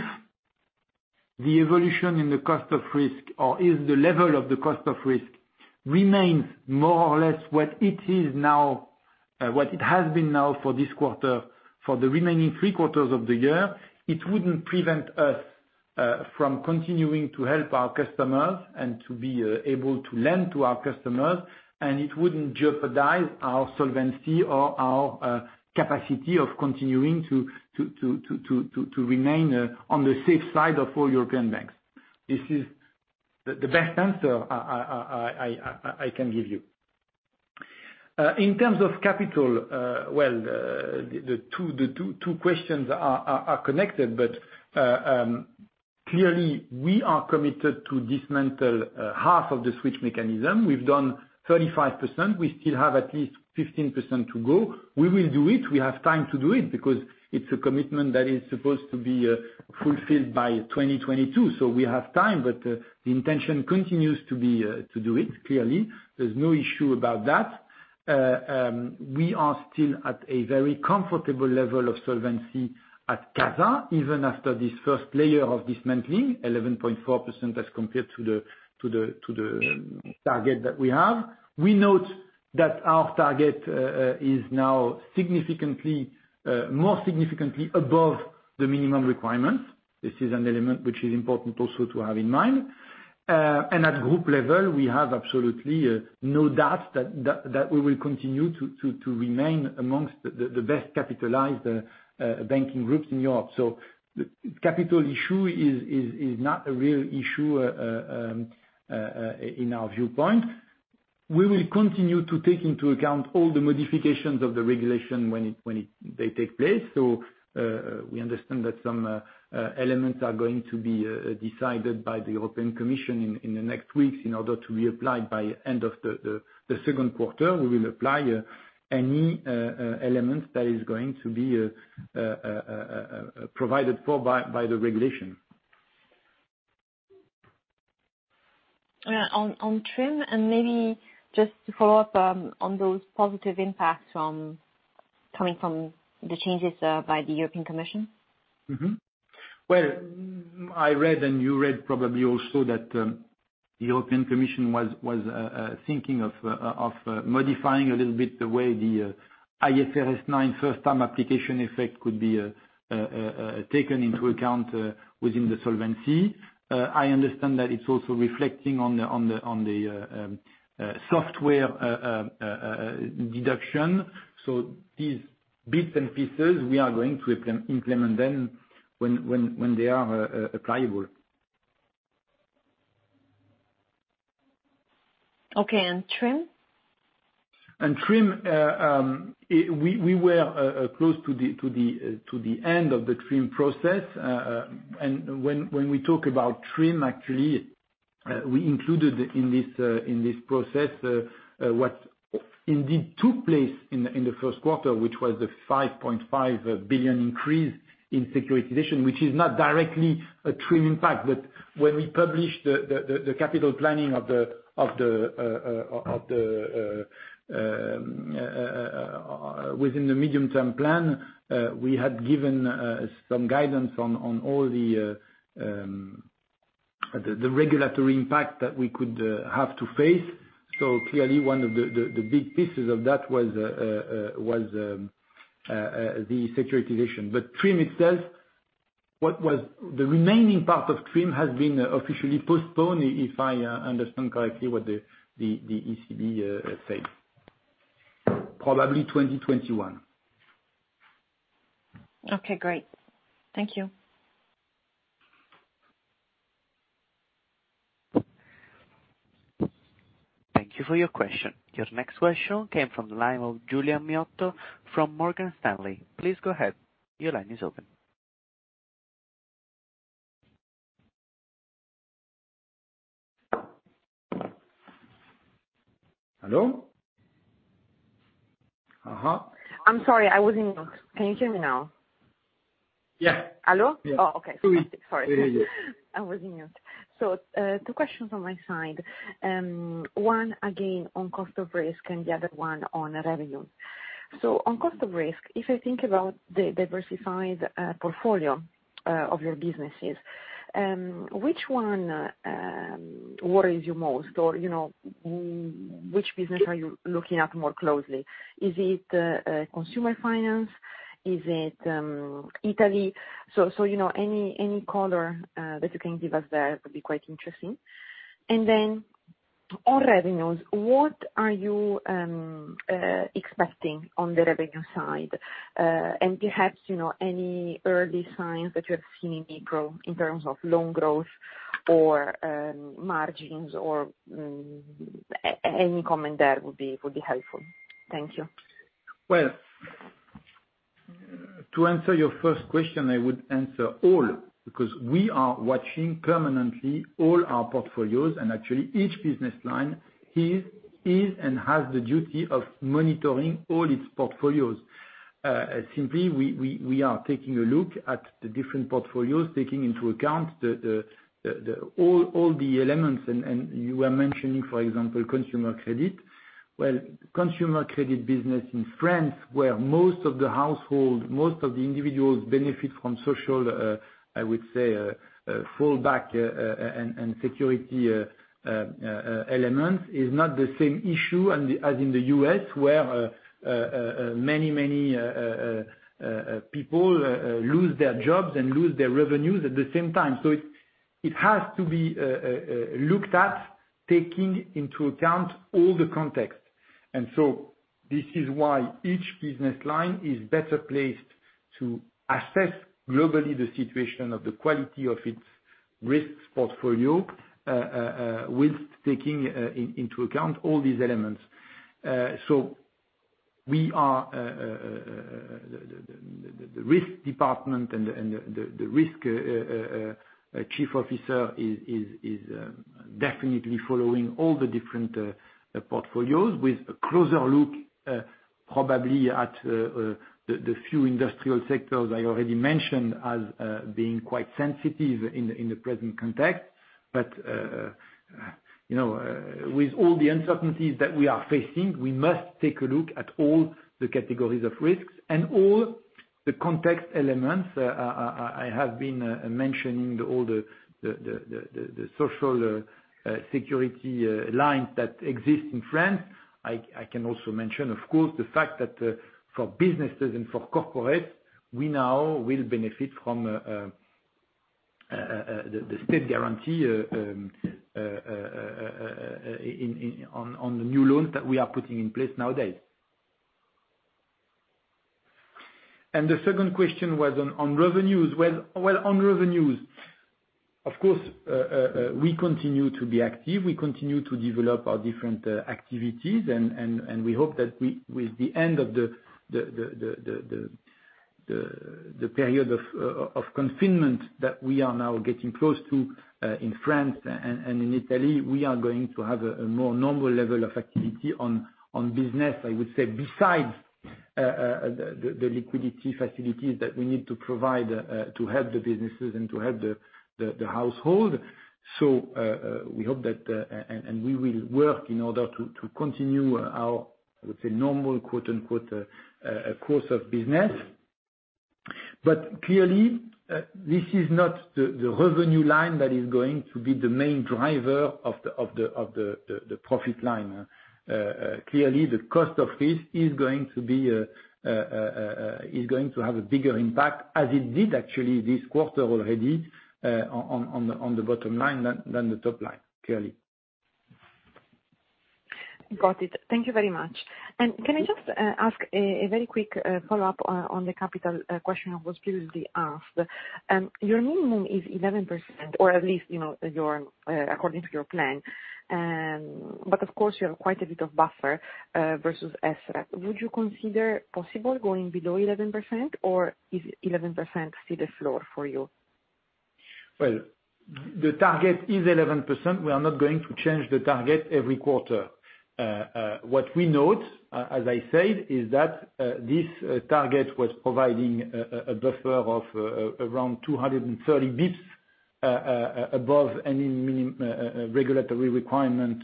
S2: the evolution in the cost of risk or the level of the cost of risk remains more or less what it is now, what it has been now for this quarter, for the remaining three quarters of the year, it wouldn't prevent us from continuing to help our customers and to be able to lend to our customers, and it wouldn't jeopardize our solvency or our capacity of continuing to remain on the safe side of all European banks. This is the best answer I can give you. In terms of capital, well, the two questions are connected. Clearly, we are committed to dismantle half of the Switch mechanism. We've done 35%. We still have at least 15% to go. We will do it. We have time to do it, because it's a commitment that is supposed to be fulfilled by 2022. We have time, but the intention continues to do it, clearly. There's no issue about that. We are still at a very comfortable level of solvency at CASA, even after this first layer of dismantling, 11.4% as compared to the target that we have. We note that our target is now more significantly above the minimum requirements. This is an element which is important also to have in mind. At group level, we have absolutely no doubt that we will continue to remain amongst the best capitalized banking groups in Europe. The capital issue is not a real issue in our viewpoint. We will continue to take into account all the modifications of the regulation when they take place. We understand that some elements are going to be decided by the European Commission in the next weeks in order to be applied by end of the second quarter. We will apply any elements that is going to be provided for by the regulation.
S3: On TRIM, maybe just to follow up on those positive impacts coming from the changes by the European Commission.
S2: Well, I read and you read probably also that the European Commission was thinking of modifying a little bit the way the IFRS 9 first-time application effect could be taken into account within the solvency. I understand that it's also reflecting on the software deduction. These bits and pieces, we are going to implement them when they are applicable.
S3: Okay, TRIM?
S2: TRIM, we were close to the end of the TRIM process. When we talk about TRIM, actually, we included in this process, what indeed took place in the first quarter, which was the 5.5 billion increase in securitization, which is not directly a TRIM impact. When we published the capital planning within the medium-term plan, we had given some guidance on all the regulatory impact that we could have to face. Clearly one of the big pieces of that was the securitization. TRIM itself, the remaining part of TRIM has been officially postponed, if I understand correctly what the ECB said. Probably 2021.
S3: Okay, great. Thank you.
S1: Thank you for your question. Your next question came from the line of Giulia Aurora Miotto from Morgan Stanley. Please go ahead. Your line is open.
S2: Hello? Uh-huh.
S4: I'm sorry, I was in mute. Can you hear me now?
S2: Yeah.
S4: Hello?
S2: Yeah.
S4: Oh, okay.
S2: We hear you.
S4: Sorry. I was in mute. Two questions on my side. One, again, on cost of risk and the other one on revenue. On cost of risk, if I think about the diversified portfolio of your businesses, which one worries you most? Which business are you looking at more closely? Is it Consumer Finance? Is it Italy? Any color that you can give us there would be quite interesting. On revenues, what are you expecting on the revenue side? Perhaps, any early signs that you have seen in terms of loan growth or margins or any comment there would be helpful. Thank you.
S2: Well, to answer your first question, I would answer all, because we are watching permanently all our portfolios and actually each business line is, and has the duty of monitoring all its portfolios. Simply, we are taking a look at the different portfolios, taking into account all the elements, and you were mentioning, for example, consumer credit. Well, consumer credit business in France, where most of the household, most of the individuals benefit from social, I would say, fallback and security elements is not the same issue as in the U.S. where many people lose their jobs and lose their revenues at the same time. It has to be looked at, taking into account all the context. This is why each business line is better placed to assess globally the situation of the quality of its risk portfolio, with taking into account all these elements. The risk department and the risk chief officer is definitely following all the different portfolios with a closer look, probably at the few industrial sectors I already mentioned as being quite sensitive in the present context. With all the uncertainties that we are facing, we must take a look at all the categories of risks and all the context elements. I have been mentioning all the social security lines that exist in France. I can also mention, of course, the fact that for businesses and for corporates, we now will benefit from the state guarantee on the new loans that we are putting in place nowadays. The second question was on revenues. Well, on revenues, of course, we continue to be active. We continue to develop our different activities, and we hope that with the end of the period of confinement that we are now getting close to in France and in Italy, we are going to have a more normal level of activity on business, I would say, besides the liquidity facilities that we need to provide to help the businesses and to help the household. We hope that, and we will work in order to continue our let's say, "normal" course of business. Clearly, this is not the revenue line that is going to be the main driver of the profit line. Clearly, the cost of this is going to have a bigger impact, as it did actually this quarter already, on the bottom line than the top line, clearly.
S4: Got it. Thank you very much. Can I just ask a very quick follow-up on the capital question that was previously asked. Your minimum is 11%, or at least according to your plan. Of course, you have quite a bit of buffer versus SREP. Would you consider possible going below 11% or is 11% still the floor for you?
S2: Well, the target is 11%. We are not going to change the target every quarter. What we note, as I said, is that this target was providing a buffer of around 230 basis points above any minimum regulatory requirement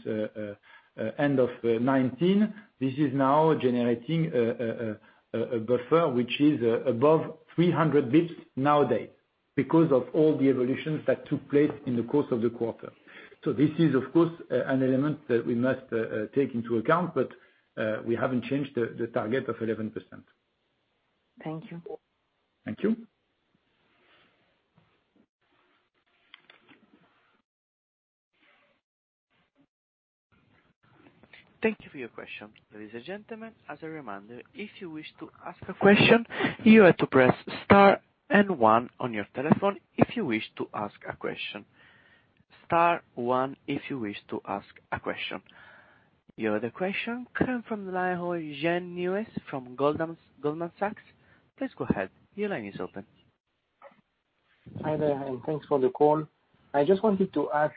S2: end of 2019. This is now generating a buffer, which is above 300 basis points nowadays because of all the evolutions that took place in the course of the quarter. This is, of course, an element that we must take into account, but we haven't changed the target of 11%.
S4: Thank you.
S2: Thank you.
S1: Thank you for your questions. Ladies and gentlemen, as a reminder, if you wish to ask a question, you are to press star and one on your telephone if you wish to ask a question. Star one if you wish to ask a question. Your other question come from the line of Jean-François Tremblay from Goldman Sachs. Please go ahead. Your line is open.
S5: Hi there, thanks for the call. I just wanted to ask,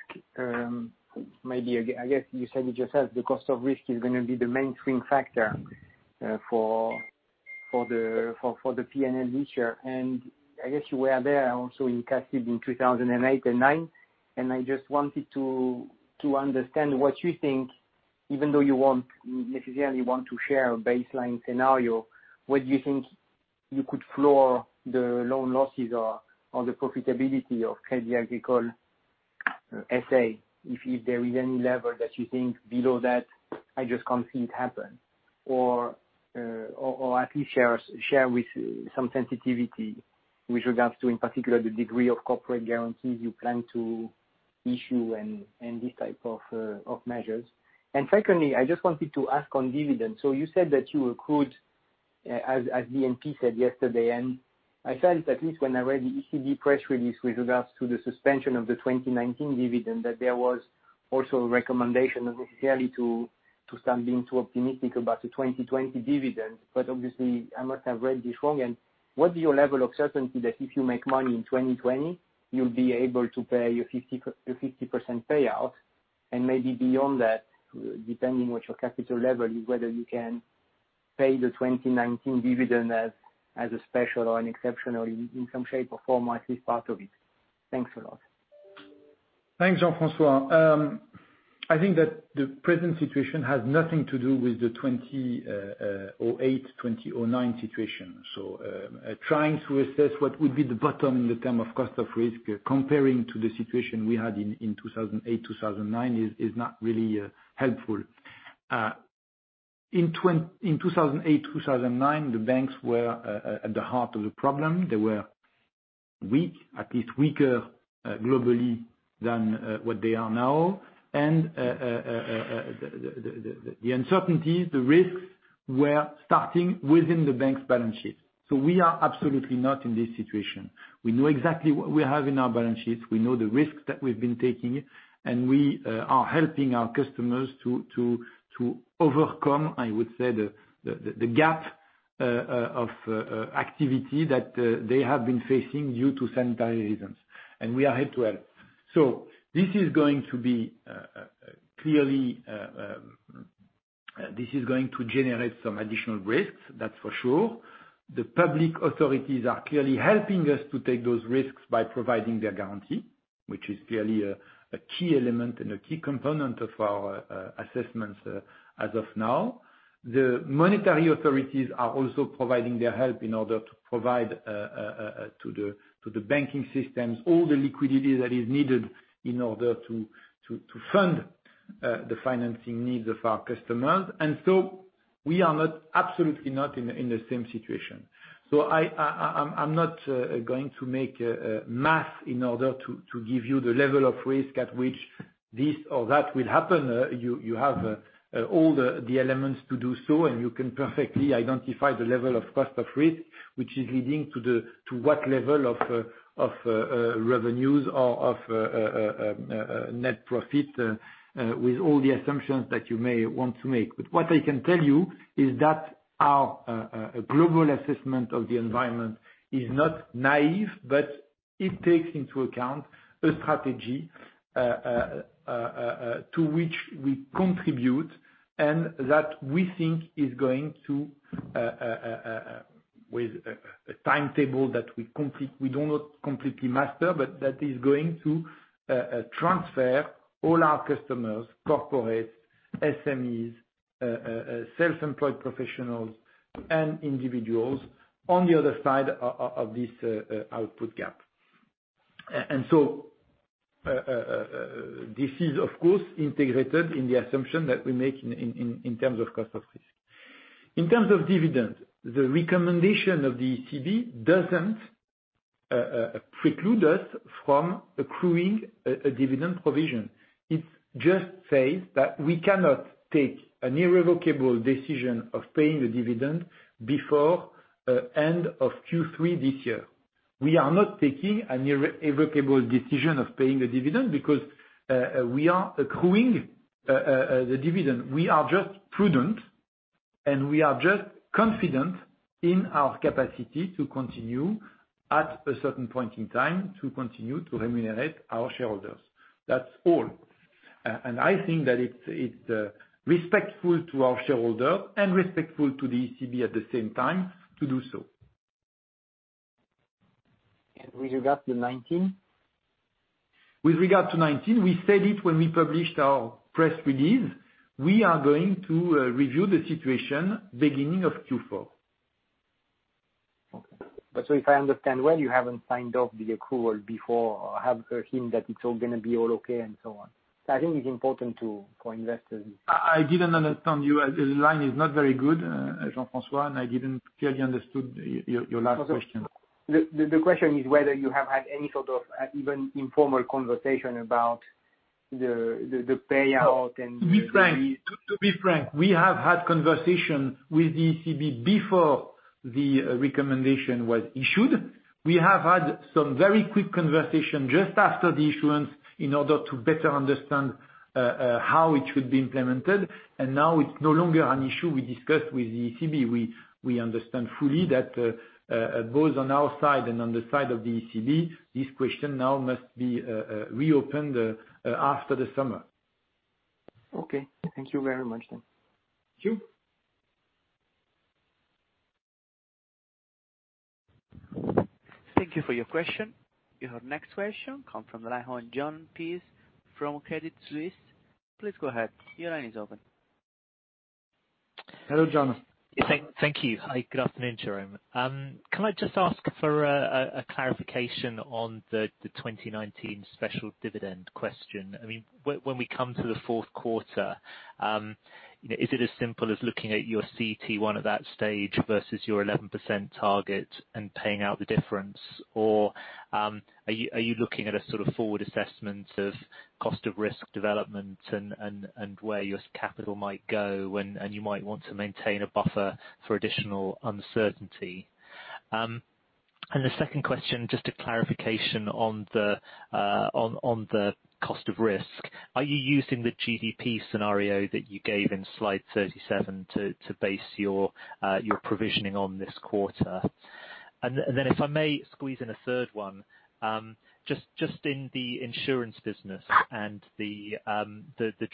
S5: maybe, I guess you said it yourself, the cost of risk is going to be the main swing factor for the P&L this year. I guess you were there also in 2008 and 2009, I just wanted to understand what you think, even though you won't necessarily want to share a baseline scenario, what you think you could floor the loan losses or the profitability of Crédit Agricole S.A., if there is any level that you think below that, I just can't see it happen. At least share with some sensitivity with regards to, in particular, the degree of corporate guarantees you plan to issue and these type of measures. Secondly, I just wanted to ask on dividends. You said that you could, as BNP said yesterday, I felt at least when I read the ECB press release with regards to the suspension of the 2019 dividend, that there was also a recommendation not necessarily to sound being too optimistic about the 2020 dividends, but obviously, I must have read this wrong. What is your level of certainty that if you make money in 2020, you'll be able to pay your 50% payout, and maybe beyond that, depending what your capital level is, whether you can pay the 2019 dividend as a special or an exception or in some shape or form, at least part of it. Thanks a lot.
S2: Thanks, Jean-François. I think that the present situation has nothing to do with the 2008 or 2009 situation. Trying to assess what would be the bottom in terms of cost of risk comparing to the situation we had in 2008, 2009 is not really helpful. In 2008, 2009, the banks were at the heart of the problem. They were weak, at least weaker globally than what they are now, and the uncertainties, the risks were starting within the bank's balance sheet. We are absolutely not in this situation. We know exactly what we have in our balance sheets, we know the risks that we've been taking, and we are helping our customers to overcome, I would say, the gap of activity that they have been facing due to sanitary reasons, and we are here to help. This is going to generate some additional risks, that's for sure. The public authorities are clearly helping us to take those risks by providing their guarantee, which is clearly a key element and a key component of our assessments as of now. The monetary authorities are also providing their help in order to provide to the banking systems, all the liquidity that is needed in order to fund the financing needs of our customers. We are absolutely not in the same situation. I am not going to make math in order to give you the level of risk at which this or that will happen. You have all the elements to do so, and you can perfectly identify the level of cost of risk, which is leading to what level of revenues, or of net profit with all the assumptions that you may want to make. What I can tell you is that our global assessment of the environment is not naive, but it takes into account a strategy to which we contribute, and that we think is going to, with a timetable that we do not completely master, but that is going to transfer all our customers, corporates, SMEs, self-employed professionals, and individuals on the other side of this output gap. This is, of course, integrated in the assumption that we make in terms of cost of risk. In terms of dividend, the recommendation of the ECB doesn't preclude us from accruing a dividend provision. It just says that we cannot take an irrevocable decision of paying the dividend before end of Q3 this year. We are not taking an irrevocable decision of paying the dividend because we are accruing the dividend. We are just prudent, and we are just confident in our capacity to continue at a certain point in time, to continue to remunerate our shareholders. That's all. I think that it's respectful to our shareholder and respectful to the ECB at the same time to do so.
S5: With regard to 2019?
S2: With regard to 2019, we said it when we published our press release, we are going to review the situation beginning of Q4.
S5: Okay. If I understand well, you haven't signed off the accrual before or have a hint that it's all going to be all okay and so on. I think it's important for investors.
S2: I didn't understand you. The line is not very good, Jean-François. I didn't clearly understood your last question.
S5: The question is whether you have had any sort of even informal conversation about the payout.
S2: To be frank, we have had conversation with the ECB before the recommendation was issued. We have had some very quick conversation just after the issuance in order to better understand how it should be implemented. Now it's no longer an issue we discussed with the ECB. We understand fully that, both on our side and on the side of the ECB, this question now must be reopened after the summer.
S5: Okay. Thank you very much then.
S2: Thank you.
S1: Thank you for your question. Your next question come from the line of Jon Peace from Credit Suisse. Please go ahead. Your line is open.
S2: Hello, Jon.
S6: Thank you. Hi, good afternoon, Jérôme. Can I just ask for a clarification on the 2019 special dividend question? When we come to the fourth quarter, is it as simple as looking at your CET1 at that stage versus your 11% target and paying out the difference? Are you looking at a sort of forward assessment of cost of risk development and where your capital might go and you might want to maintain a buffer for additional uncertainty? The second question, just a clarification on the cost of risk. Are you using the GDP scenario that you gave in slide 37 to base your provisioning on this quarter? If I may squeeze in a third one, just in the insurance business and the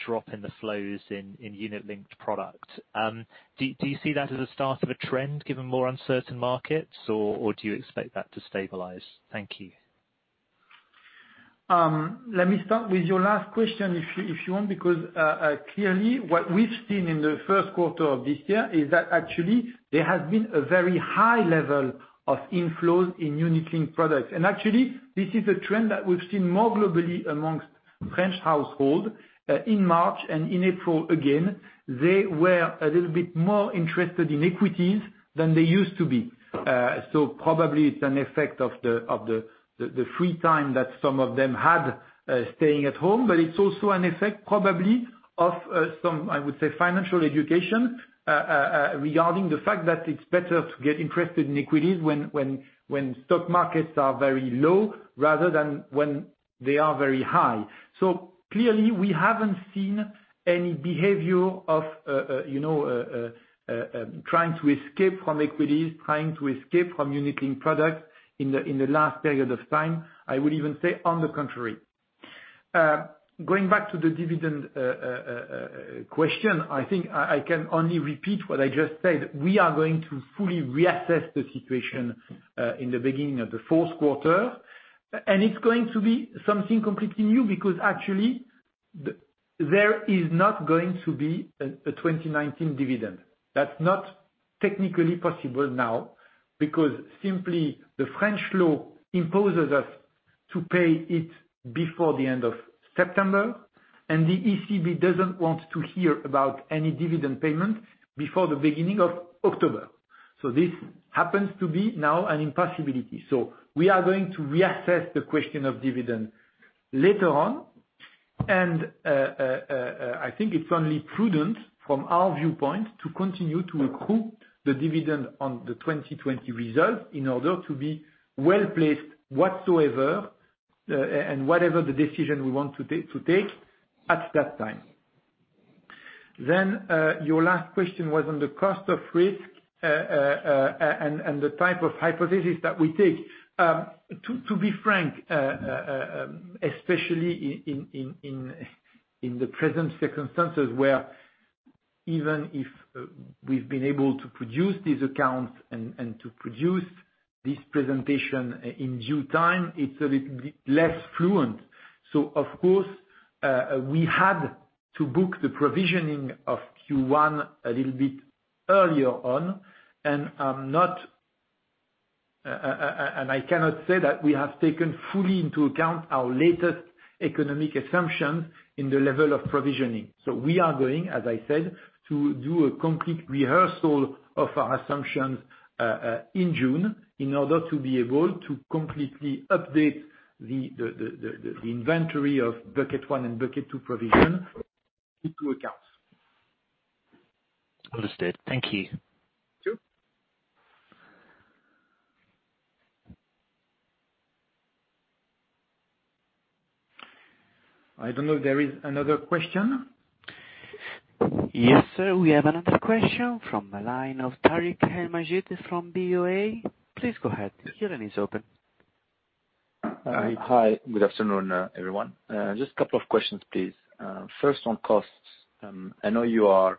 S6: drop in the flows in unit-linked product. Do you see that as a start of a trend given more underlying markets, or do you expect that to stabilize? Thank you.
S2: Let me start with your last question if you want, because clearly what we've seen in the first quarter of this year is that actually there has been a very high level of inflows in unit-linked products. Actually, this is a trend that we've seen more globally amongst French households, in March and in April again, they were a little bit more interested in equities than they used to be. Probably it's an effect of the free time that some of them had staying at home. It's also an effect, probably, of some, I would say, financial education, regarding the fact that it's better to get interested in equities when stock markets are very low rather than when they are very high. Clearly, we haven't seen any behavior of trying to escape from equities, trying to escape from unit-linked products in the last period of time. I would even say, on the contrary. Going back to the dividend question, I think I can only repeat what I just said. We are going to fully reassess the situation in the beginning of the fourth quarter. It's going to be something completely new, because actually, there is not going to be a 2019 dividend. That's not technically possible now, because simply, the French law imposes us to pay it before the end of September, and the ECB doesn't want to hear about any dividend payment before the beginning of October. This happens to be now an impossibility. We are going to reassess the question of dividend later on. I think it's only prudent from our viewpoint to continue to accrue the dividend on the 2020 result in order to be well-placed whatsoever, and whatever the decision we want to take at that time. Your last question was on the cost of risk and the type of hypothesis that we take. To be frank, especially in the present circumstances where even if we've been able to produce these accounts and to produce this presentation in due time, it's a little bit less fluent. Of course, we had to book the provisioning of Q1 a little bit earlier on, and I cannot say that we have taken fully into account our latest economic assumption in the level of provisioning. We are going, as I said, to do a complete reassessment of our assumptions in June in order to be able to completely update the inventory of bucket 1 and bucket 2 provision into accounts.
S6: Understood. Thank you.
S2: Thank you. I don't know if there is another question.
S1: Yes, sir, we have another question from the line of Tarik El Mejjad from BofA. Please go ahead. Your line is open.
S7: Hi. Good afternoon, everyone. Just a couple of questions, please. First, on costs. I know you are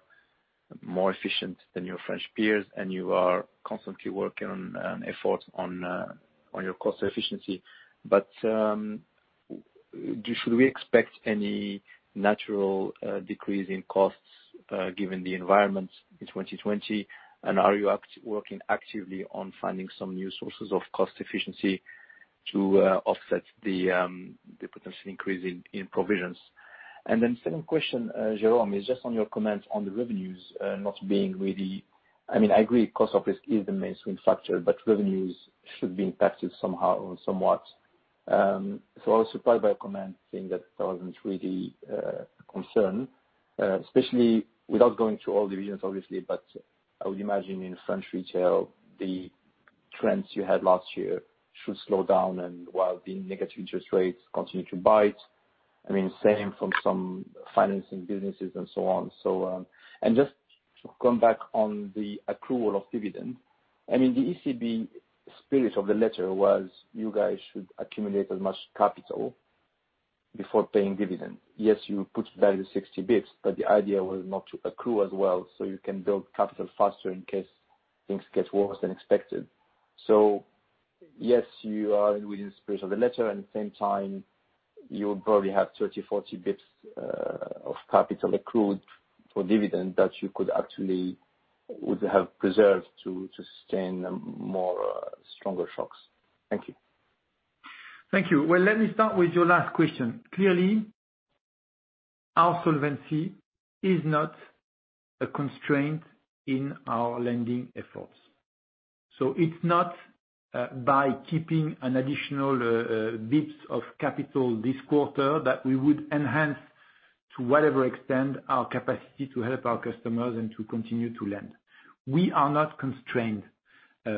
S7: more efficient than your French peers, and you are constantly working on effort on your cost efficiency. Should we expect any natural decrease in costs, given the environment in 2020? Are you working actively on finding some new sources of cost efficiency to offset the potential increase in provisions? Second question, Jérôme, is just on your comment on the revenues not being really I agree, cost obviously is the main swing factor, but revenues should be impacted somehow or somewhat. I was surprised by your comment saying that that wasn't really a concern, especially without going through all divisions, obviously, but I would imagine in French retail, the trends you had last year should slow down and while the negative interest rates continue to bite, same from some financing businesses and so on. Just to come back on the accrual of dividend. The ECB spirit of the letter was, you guys should accumulate as much capital before paying dividend. Yes, you put aside 60 bps, but the idea was not to accrue as well, so you can build capital faster in case things get worse than expected. Yes, you are within spirit of the letter, and at the same time, you probably have 30 basis points, 40 basis points of capital accrued for dividend that you could actually would have preserved to sustain more stronger shocks. Thank you.
S2: Thank you. Well, let me start with your last question. Clearly, our solvency is not a constraint in our lending efforts. It's not by keeping an additional bits of capital this quarter that we would enhance to whatever extent our capacity to help our customers and to continue to lend. We are not constrained.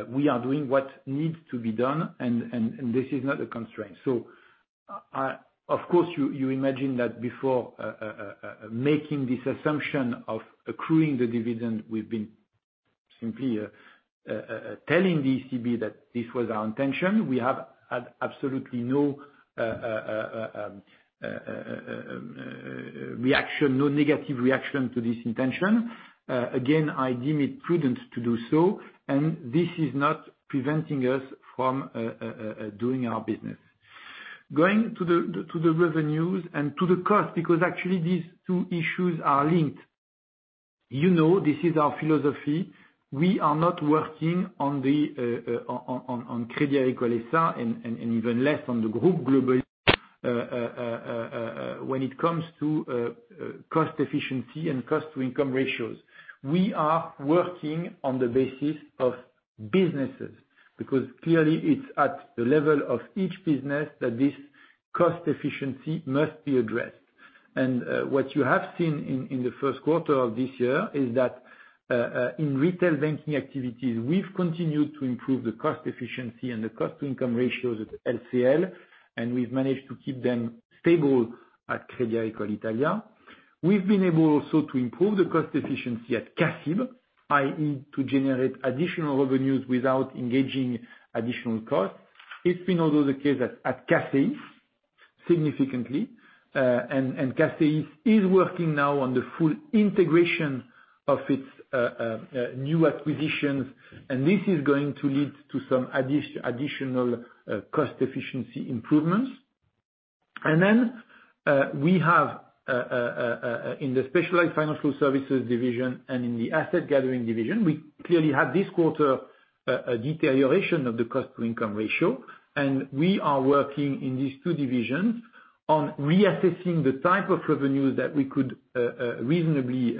S2: We are doing what needs to be done, and this is not a constraint. Of course, you imagine that before making this assumption of accruing the dividend, we've been simply telling the ECB that this was our intention. We have had absolutely no reaction, no negative reaction to this intention. Again, I deem it prudent to do so, and this is not preventing us from doing our business. Going to the revenues and to the cost, because actually these two each year are linked. You know, this is our philosophy. We are not working on Crédit Agricole S.A., even less on the group globally, when it comes to cost efficiency and cost-to-income ratios. We are working on the basis of businesses, because clearly it's at the level of each business that this cost efficiency must be addressed. What you have seen in the first quarter of this year is that, in retail banking activities, we've continued to improve the cost efficiency and the cost-to-income ratios at LCL, and we've managed to keep them stable at Crédit Agricole Italia. We've been able also to improve the cost efficiency at CACEIS, i.e., to generate additional revenues without engaging additional costs. It's been also the case at CACEIS, significantly, CACEIS is working now on the full integration of its new acquisitions. This is going to lead to some additional cost efficiency improvements. We have, in the specialized financial services division and in the asset gathering division, we clearly have this quarter, a deterioration of the cost-to-income ratio. We are working in these two divisions on reassessing the type of revenue that we could reasonably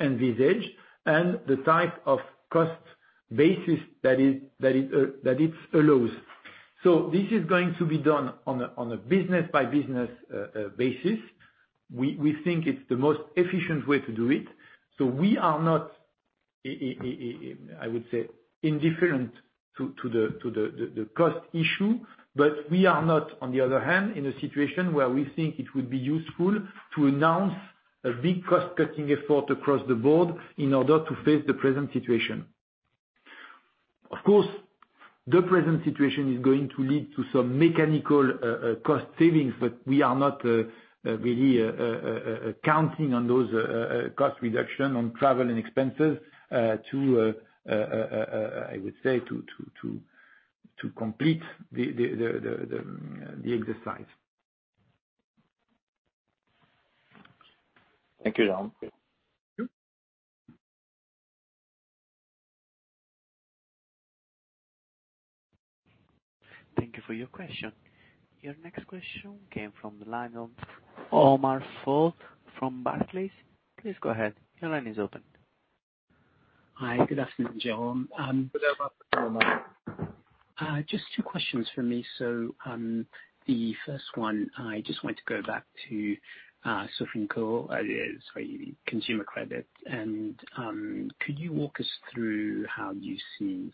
S2: envisage and the type of cost basis that it allows. This is going to be done on a business-by-business basis. We think it's the most efficient way to do it. We are not, I would say, indifferent to the cost issue, but we are not, on the other hand, in a situation where we think it would be useful to announce a big cost-cutting effort across the board in order to face the present situation. The present situation is going to lead to some mechanical cost savings, but we are not really counting on those cost reduction on travel and expenses, I would say, to complete the exercise.
S7: Thank you, Jérôme.
S2: Sure.
S1: Thank you for your question. Your next question came from the line of Omar Fall from Barclays. Please go ahead. Your line is open.
S8: Hi, good afternoon, Jérôme.
S2: Good afternoon, Omar.
S8: Just two questions from me. The first one, I just want to go back to Sofinco, sorry, consumer credit. Could you walk us through how you see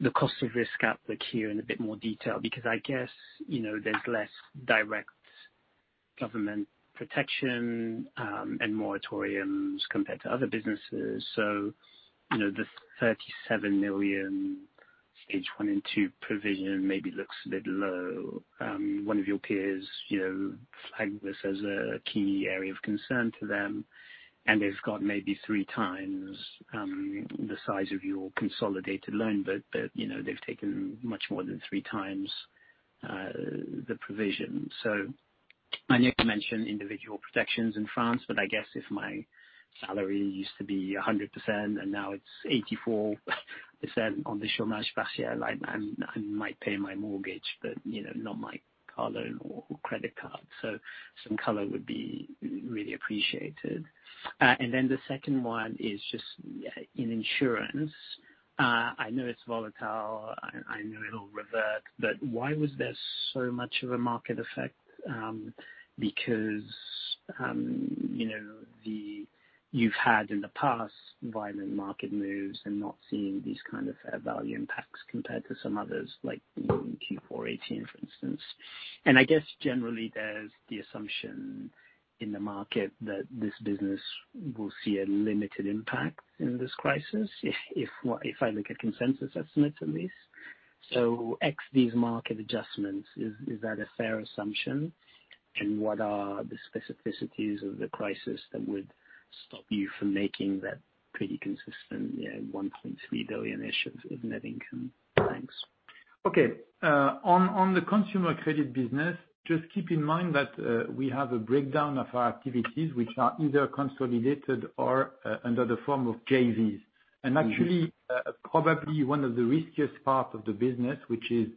S8: the cost of risk outlook here in a bit more detail? Because I guess, there's less direct government protection, and moratoriums compared to other businesses. The 37 million stage 1 and 2 provision maybe looks a bit low. One of your peers flagged this as a key area of concern to them, and they've got maybe 3x the size of your consolidated loan, but they've taken much more than 3x the provision. I know you mentioned individual protections in France, but I guess if my salary used to be 100% and now it's 84% on the I might pay my mortgage, but not my car loan or credit card. Some color would be really appreciated. The second one is just in insurance. I know it's volatile. I know it'll revert, but why was there so much of a market effect? You've had in the past violent market moves and not seen these kind of fair value impacts compared to some others, like in Q4 2018, for instance. I guess generally there's the assumption in the market that this business will see a limited impact in this crisis, if I look at consensus estimates on this. Ex these market adjustments, is that a fair assumption? What are the specificities of the crisis that would stop you from making that pretty consistent, 1.3 billion uncertain in net income? Thanks.
S2: Okay. On the consumer credit business, just keep in mind that we have a breakdown of our activities, which are either consolidated or under the form of JVs. Actually, probably one of the riskiest part of the business, which is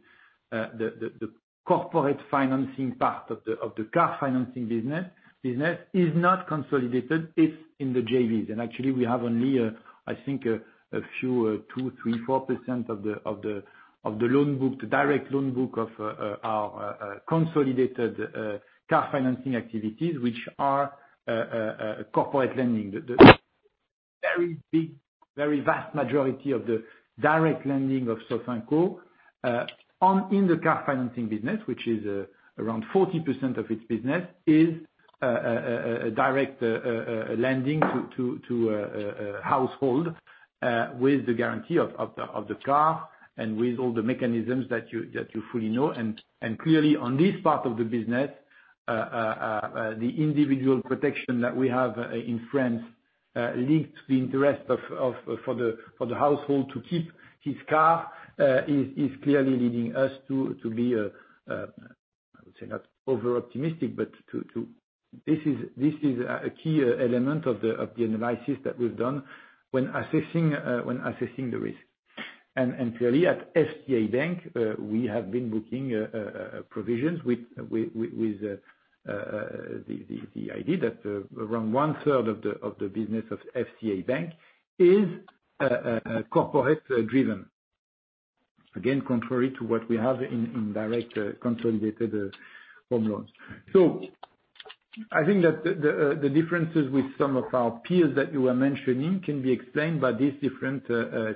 S2: the corporate financing part of the car financing business, is not consolidated, it's in the JVs. Actually, we have only, I think a few, 2%, 3%, 4% of the loan book, the direct loan book of our consolidated car financing activities, which are corporate lending. The very big, very vast majority of the direct lending of Sofinco, in the car financing business, which is around 40% of its business, is direct lending to a household, with the guarantee of the car and with all the mechanisms that you fully know. Clearly on this part of the business, the individual protection that we have in France, linked the interest for the household to keep his car, is clearly leading us to be I would say not over-optimistic, but this is a key element of the analysis that we've done when assessing the risk. Clearly, at CA-CF, we have been booking provisions with the idea that around 1/3 of the business of CA-CF is corporate-driven. Contrary to what we have in direct consolidated home loans. I think that the differences with some of our peers that you were mentioning can be explained by this different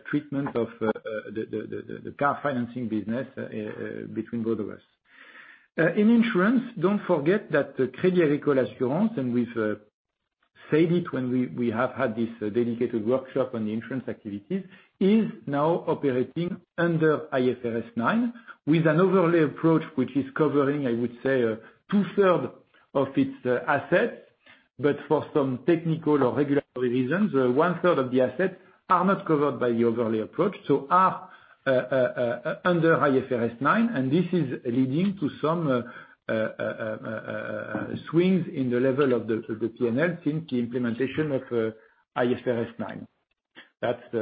S2: treatment of the car financing business between both of us. In insurance, don't forget that Crédit Agricole Assurances, and we've said it when we have had this dedicated workshop on the insurance activities, is now operating under IFRS 9 with an overlay approach, which is covering, I would say, 2/3 of its assets. For some technical or regulatory reasons, 1/3 of the assets are not covered by the overlay approach, so are under IFRS 9, and this is leading to some swings in the level of the P&L since the implementation of IFRS 9. That's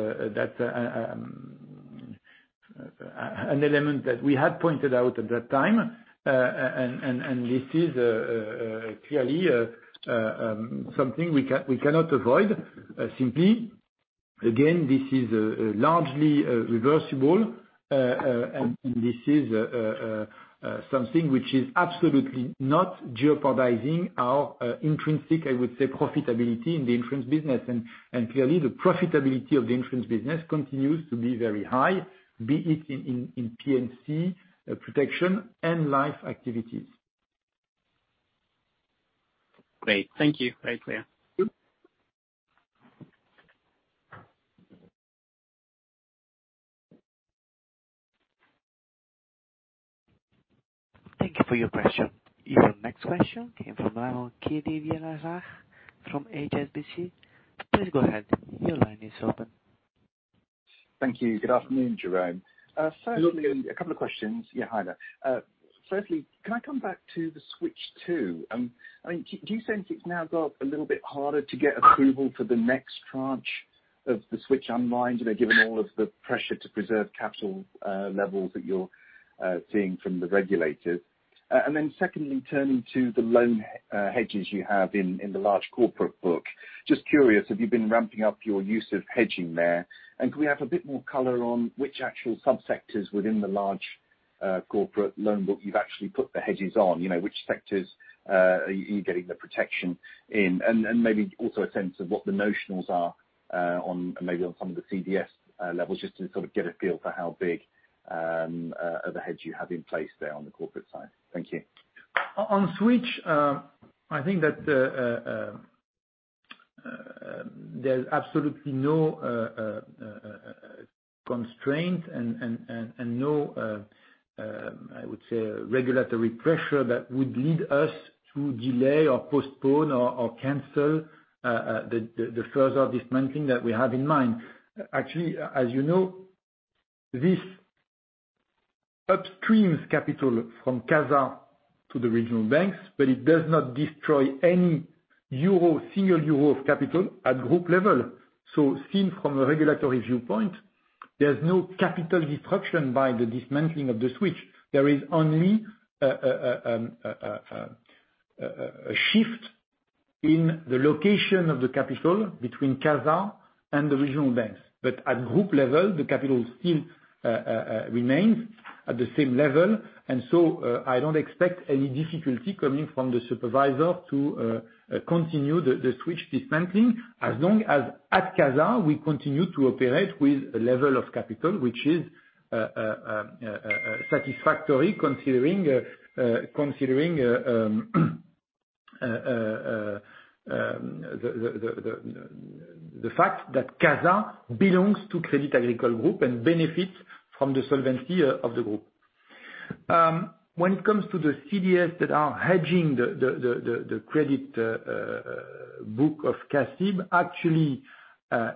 S2: an element that we had pointed out at that time, and this is clearly something we cannot avoid simply. Again, this is largely reversible, and this is something which is absolutely not jeopardizing our intrinsic, I would say, profitability in the insurance business. Clearly, the profitability of the insurance business continues to be very high, be it in P&C, protection and life activities.
S8: Great. Thank you. Very clear.
S1: Thank you for your question. Your next question came from Kirishanthan Vijayarajah from HSBC. Please go ahead. Your line is open.
S9: Thank you. Good afternoon, Jérôme.
S2: Good afternoon.
S9: A couple of questions. Yeah, hi there. firstly, can I come back to the Switch 2? Do you sense it's now got a little bit harder to get approval for the next tranche of the Switch unwind, given all of the pressure to preserve capital levels that you're seeing from the regulators? secondly, turning to the loan hedges you have in the large corporate book. Just curious, have you been ramping up your use of hedging there? Could we have a bit more color on which actual sub-sectors within the large corporate loan book you've actually put the hedges on? Which sectors are you getting the protection in? Maybe also a sense of what the notionals are maybe on some of the CDS levels, just to sort of get a feel for how big of a hedge you have in place there on the corporate side. Thank you.
S2: On Switch, I think there's absolutely no constraint and no, I would say, regulatory pressure that would lead us to delay or postpone or cancel the further dismantling that we have in mind. Actually, as you know, this upstreams capital from CASA to the regional banks, but it does not destroy any single EUR of capital at group level. Seen from a regulatory viewpoint, there's no capital destruction by the dismantling of the Switch. There is only a shift in the location of the capital between CASA and the regional banks. At group level, the capital still remains at the same level. I don't expect any difficulty coming from the supervisor to continue the Switch dismantling as long as at CASA, we continue to operate with a level of capital which is satisfactory considering the fact that CASA belongs to Crédit Agricole group and benefits from the solvency of the group. When it comes to the CDS that are hedging the credit book of CACIB, actually,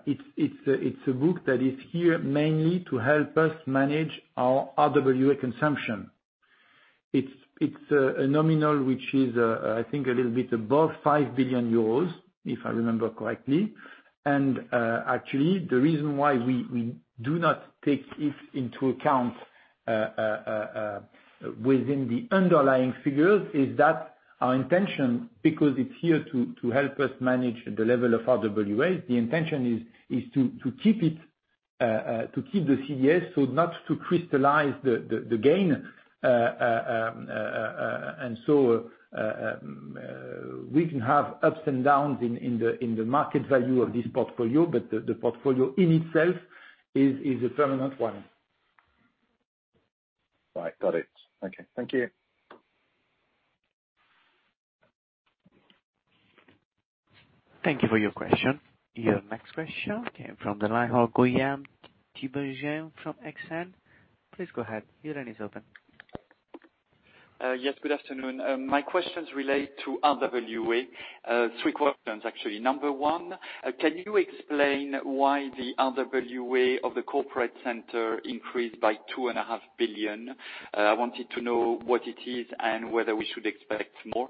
S2: it's a book that is here mainly to help us manage our RWA consumption. It's a nominal which is, I think a little bit above 5 billion euros, if I remember correctly. Actually, the reason why we do not take this into account within the underlying figures is that our intention, because it's here to help us manage the level of RWA, the intention is to keep the CDS so not to crystallize the gain. We can have ups and downs in the market value of this portfolio, but the portfolio in itself is a permanent one.
S9: Right. Got it. Okay. Thank you.
S1: Thank you for your question. Your next question came from the line of Guillaume Tiberghien from Exane. Please go ahead. Your line is open.
S10: Yes, good afternoon. My questions relate to RWA. Three questions, actually. Number one, can you explain why the RWA of the corporate center increased by 2.5 Billion? I wanted to know what it is and whether we should expect more.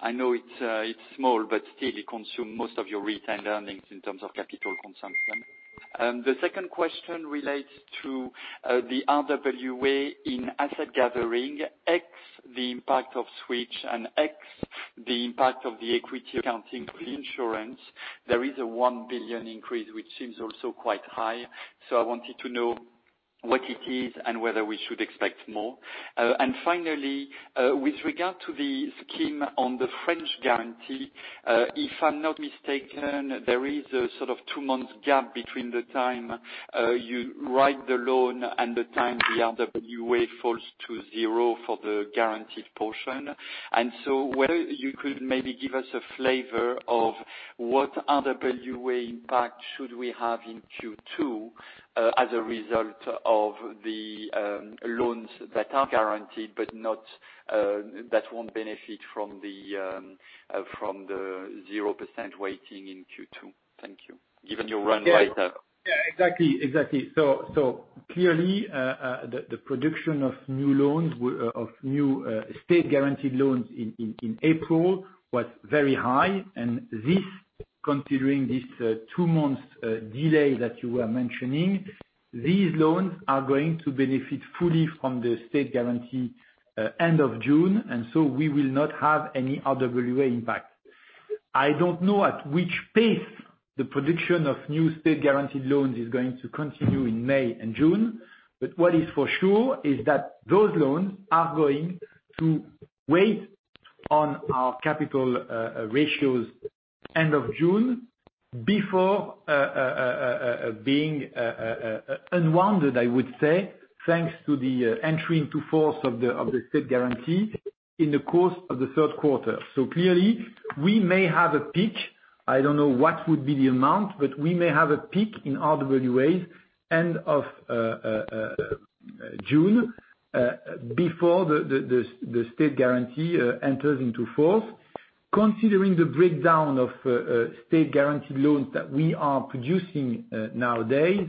S10: I know it's small, but still, it consumes most of your retained earnings in terms of capital consumption. The second question relates to the RWA in asset gathering, ex, the impact of Switch, and ex, the impact of the equity accounting of the insurance. There is a 1 billion increase, which seems also quite high. I wanted to know what it is and whether we should expect more. Finally, with regard to the scheme on the French guarantee, if I'm not mistaken, there is a sort of two-month gap between the time you write the loan and the time the RWA falls to zero for the guaranteed portion. Whether you could maybe give us a flavor of what RWA impact should we have in Q2 as a result of the loans that are guaranteed, but that won't benefit from the 0% weighting in Q2. Thank you. Given your ramp up.
S2: Yeah, exactly. Clearly, the production of new state-guaranteed loans in April was very high, and considering this two months delay that you were mentioning, these loans are going to benefit fully from the state guarantee end of June. We will not have any RWA impact. I don't know at which pace the production of new state-guaranteed loans is going to continue in May and June, but what is for sure is that those loans are going to wait on our capital ratios end of June before being unwound, I would say, thanks to the entering to force of the state guarantee in the course of the third quarter. Clearly we may have a peak. I don't know what would be the amount, but we may have a peak in RWAs end of June, before the state guarantee enters into force. Considering the breakdown of state-guaranteed loans that we are producing nowadays,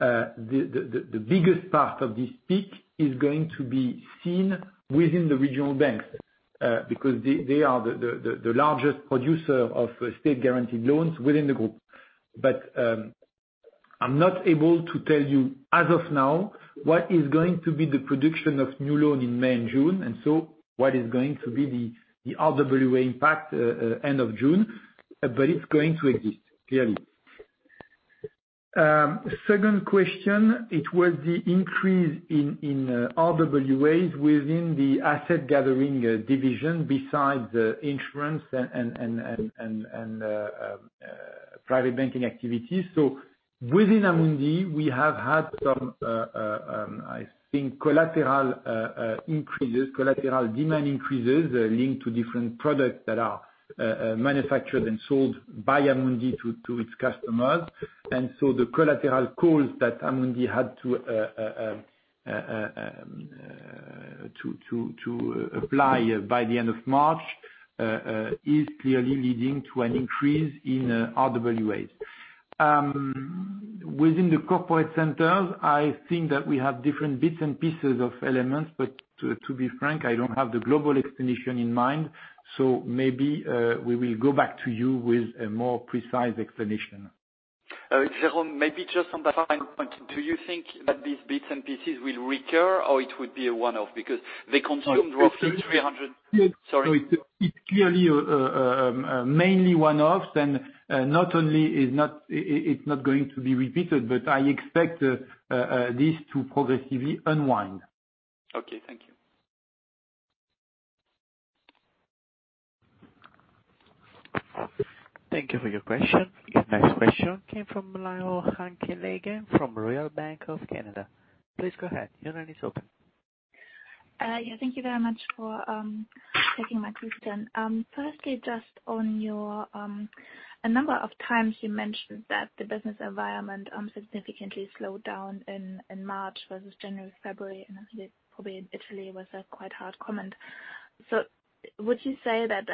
S2: the biggest part of this peak is going to be seen within the regional banks, because they are the largest producer of state-guaranteed loans within the group. I'm not able to tell you as of now what is going to be the production of new loan in May and June, what is going to be the RWA impact end of June. It's going to exist, clearly. Second question, it was the increase in RWAs within the asset gathering division besides the insurance and private banking activities. Within Amundi, we have had some, I think, collateral demand increases linked to different products that are manufactured and sold by Amundi to its customers. The collateral calls that Amundi had to apply by the end of March is clearly leading to an increase in RWAs. Within the corporate centers, I think that we have different bits and pieces of elements. To be frank, I don't have the global explanation in mind. Maybe we will go back to you with a more precise explanation.
S10: Jérôme, maybe just on that final point, do you think that these bits and pieces will recur or it would be a one-off because they consumed roughly 300? Sorry.
S2: It's clearly mainly one-offs, and not only it's not going to be repeated, but I expect this to progressively unwind.
S10: Okay. Thank you.
S1: Thank you for your question. Next question came from Anke Reingen from Royal Bank of Canada. Please go ahead. Your line is open.
S11: Thank you very much for taking my question. Firstly, on a number of times you mentioned that the business environment significantly slowed down in March versus January, February, and I think probably in Italy was a quite hard comment. Would you say that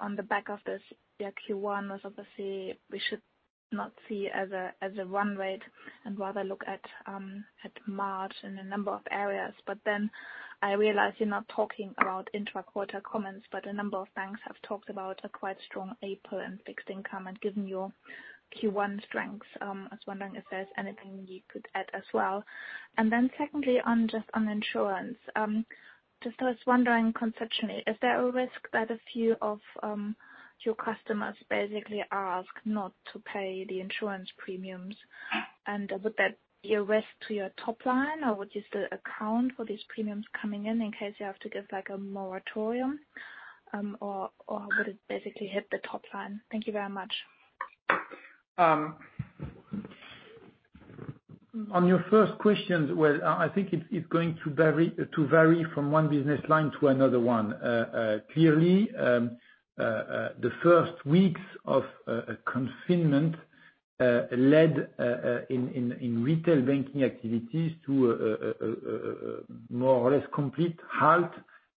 S11: on the back of this Q1 was obviously we should not see as a run rate and rather look at March in a number of areas. I realize you're not talking about intra-quarter comments, but a number of banks have talked about a quite strong April in fixed income and given your Q1 strengths, I was wondering if there's anything you could add as well. Secondly, on insurance, just I was wondering conceptually, is there a risk that a few of your customers basically ask not to pay the insurance premiums? Would that be a risk to your top line, or would you still account for these premiums coming in case you have to give a moratorium? How would it basically hit the top line? Thank you very much.
S2: On your first questions, well, I think it's going to vary from one business line to another one. Clearly, the first weeks of confinement led in retail banking activities to a more or less complete halt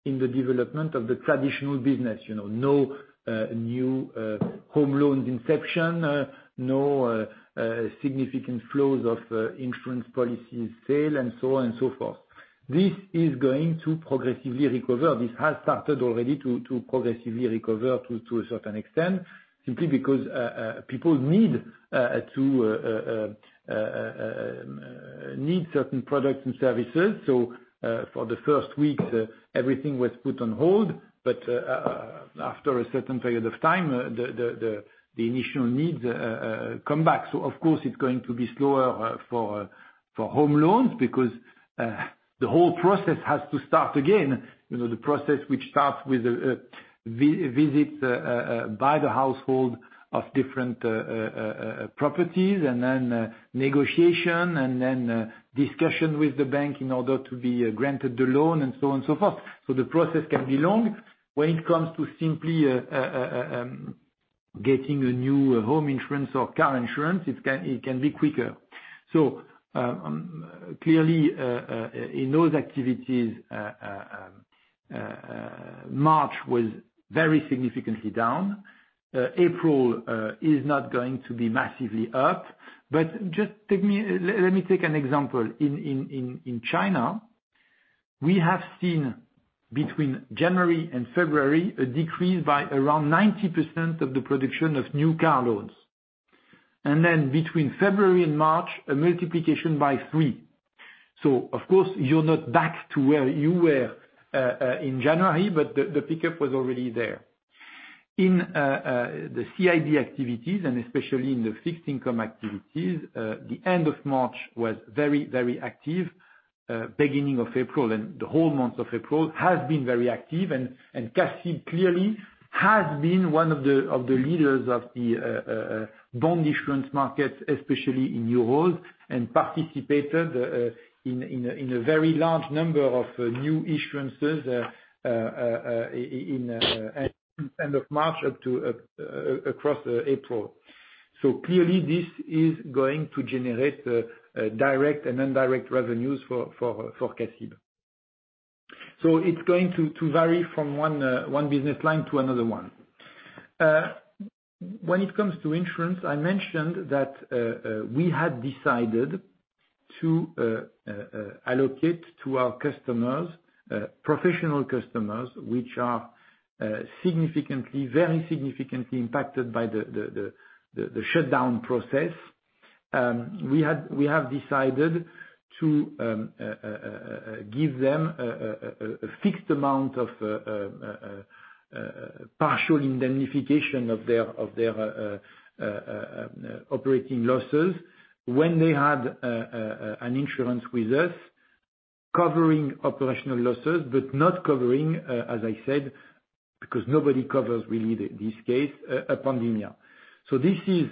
S2: in the development of the traditional business. No new home loans inception, no significant flows of insurance policies sale, and so on and so forth. This is going to progressively recover. This has started already to progressively recover to a certain extent, simply because people need certain products and services. For the first week, everything was put on hold. After a certain period of time, the initial needs come back. Of course, it's going to be slower for home loans because the whole process has to start again. The process which starts with a visit by the household of different properties, and then negotiation, and then discussion with the bank in order to be granted the loan, and so on and so forth. The process can be long. When it comes to simply getting a new home insurance or car insurance, it can be quicker. Clearly, in those activities, March was very significantly down. April is not going to be massively up. Let me take an example. In China, we have seen between January and February, a decrease by around 90% of the production of new car loans. Between February and March, a multiplication by three. Of course, you're not back to where you were in January, but the pickup was already there. In the CIB activities and especially in the fixed income activities, the end of March was very active. Beginning of April and the whole month of April has been very active. CACIB clearly has been one of the leaders of the bond issuance market, especially in euros. Participated in a very large number of new issuances end of March up to across April. Clearly, this is going to generate direct and indirect revenues for CACIB. It's going to vary from one business line to another one. When it comes to insurance, I mentioned that we had decided to allocate to our professional customers, which are very significantly impacted by the shutdown process. We have decided to give them a fixed amount of partial indemnification of their operating losses when they had an insurance with us covering operational losses, but not covering, as I said, because nobody covers really this case, a pandemic. This is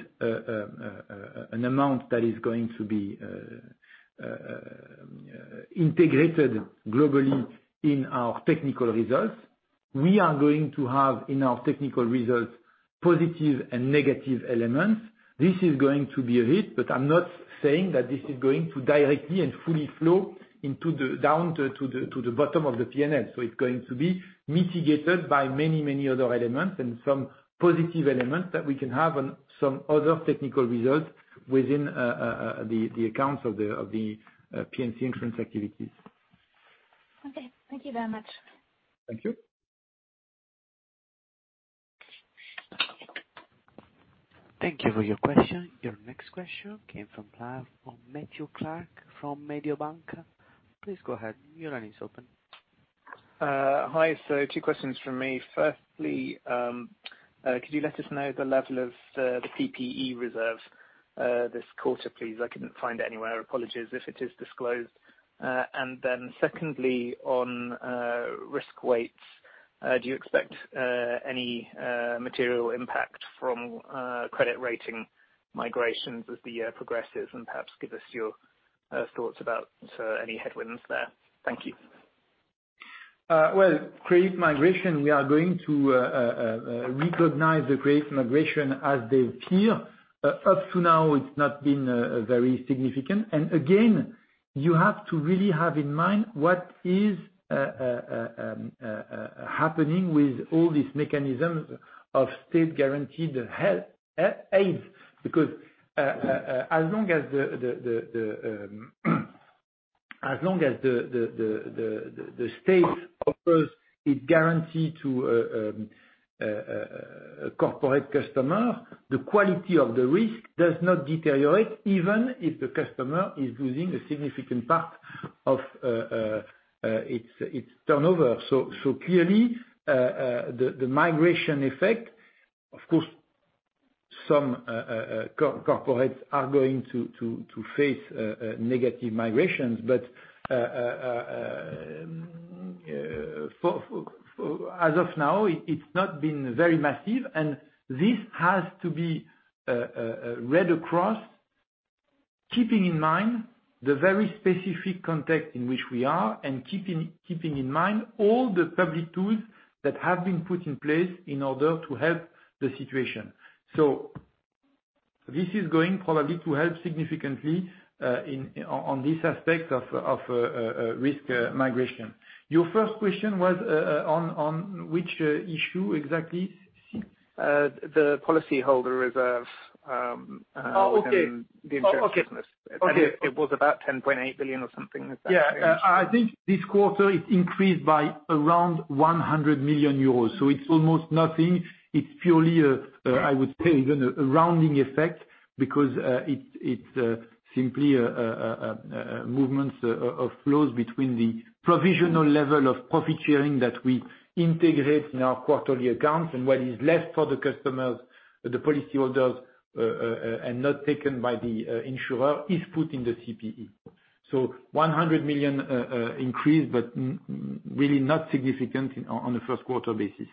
S2: an amount that is going to be integrated globally in our technical results. We are going to have, in our technical results, positive and negative elements. This is going to be a hit, but I'm not saying that this is going to directly and fully flow down to the bottom of the P&L. It's going to be mitigated by many other elements and some positive elements that we can have on some other technical results within the accounts of the P&C insurance activities.
S11: Okay. Thank you very much.
S2: Thank you.
S1: Thank you for your question. Your next question came from line of Matthew Clark from Mediobanca. Please go ahead. Your line is open.
S12: Hi. Two questions from me. Firstly, could you let us know the level of the PPE reserve this quarter, please? I couldn't find it anywhere. Apologies if it is disclosed. Secondly, on risk weights, do you expect any material impact from credit rating migrations as the year progresses? Perhaps give us your thoughts about any headwinds there. Thank you.
S2: Well, credit migration, we are going to recognize the credit migration as they appear. Up to now, it's not been very significant. Again, you have to really have in mind what is happening with all these mechanisms of state-guaranteed aids. As long as the state offers its guarantee to a corporate customer, the quality of the risk does not deteriorate, even if the customer is losing a significant part of its turnover. Clearly, the migration effect, of course, some corporates are going to face negative migrations, but as of now, it's not been very massive, and this has to be read across, keeping in mind the very specific context in which we are, and keeping in mind all the public tools that have been put in place in order to help the situation. This is going probably to help significantly on this aspect of risk migration. Your first question was on which issue exactly?
S12: The policyholder reserve.
S2: Oh, okay.
S12: The interest.
S2: Oh, okay.
S12: It was about 10.8 billion or something. Is that correct?
S2: Yeah. I think this quarter it increased by around 100 million euros. It's almost nothing. It's purely, I would say, even a rounding effect because it's simply movements of flows between the provisional level of profit sharing that we integrate in our quarterly accounts and what is left for the customers, the policyholders, and not taken by the insurer, is put in the PPE. This was a 100 million increase, but really not significant on the first quarter basis.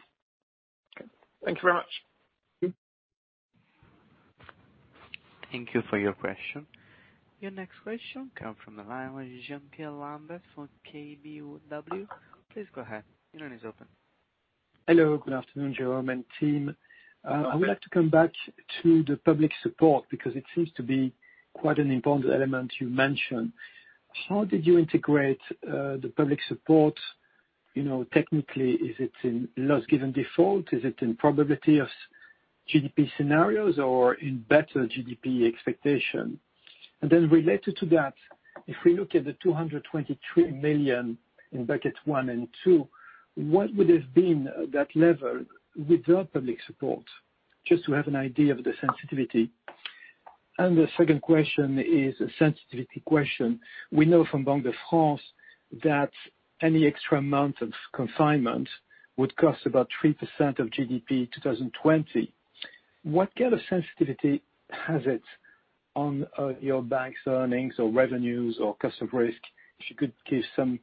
S12: Okay. Thank you very much.
S1: Thank you for your question. Your next question come from the line with Jean-Pierre Lambert from KBW. Please go ahead. Your line is open.
S13: Hello. Good afternoon, Jérôme and team. I would like to come back to the public support because it seems to be quite an important element you mentioned. How did you integrate the public support? Technically, is it in loss given default? Is it in probability of default scenarios or in better GDP expectation? Related to that, if we look at the 223 million in buckets 1 and 2, what would have been that level without public support? Just to have an idea of the sensitivity. The second question is a sensitivity question. We know from Banque de France that any extra amount of confinement would cost about 3% of GDP 2020. What kind of sensitivity has it on your bank's earnings or revenues or cost of risk? If you could give some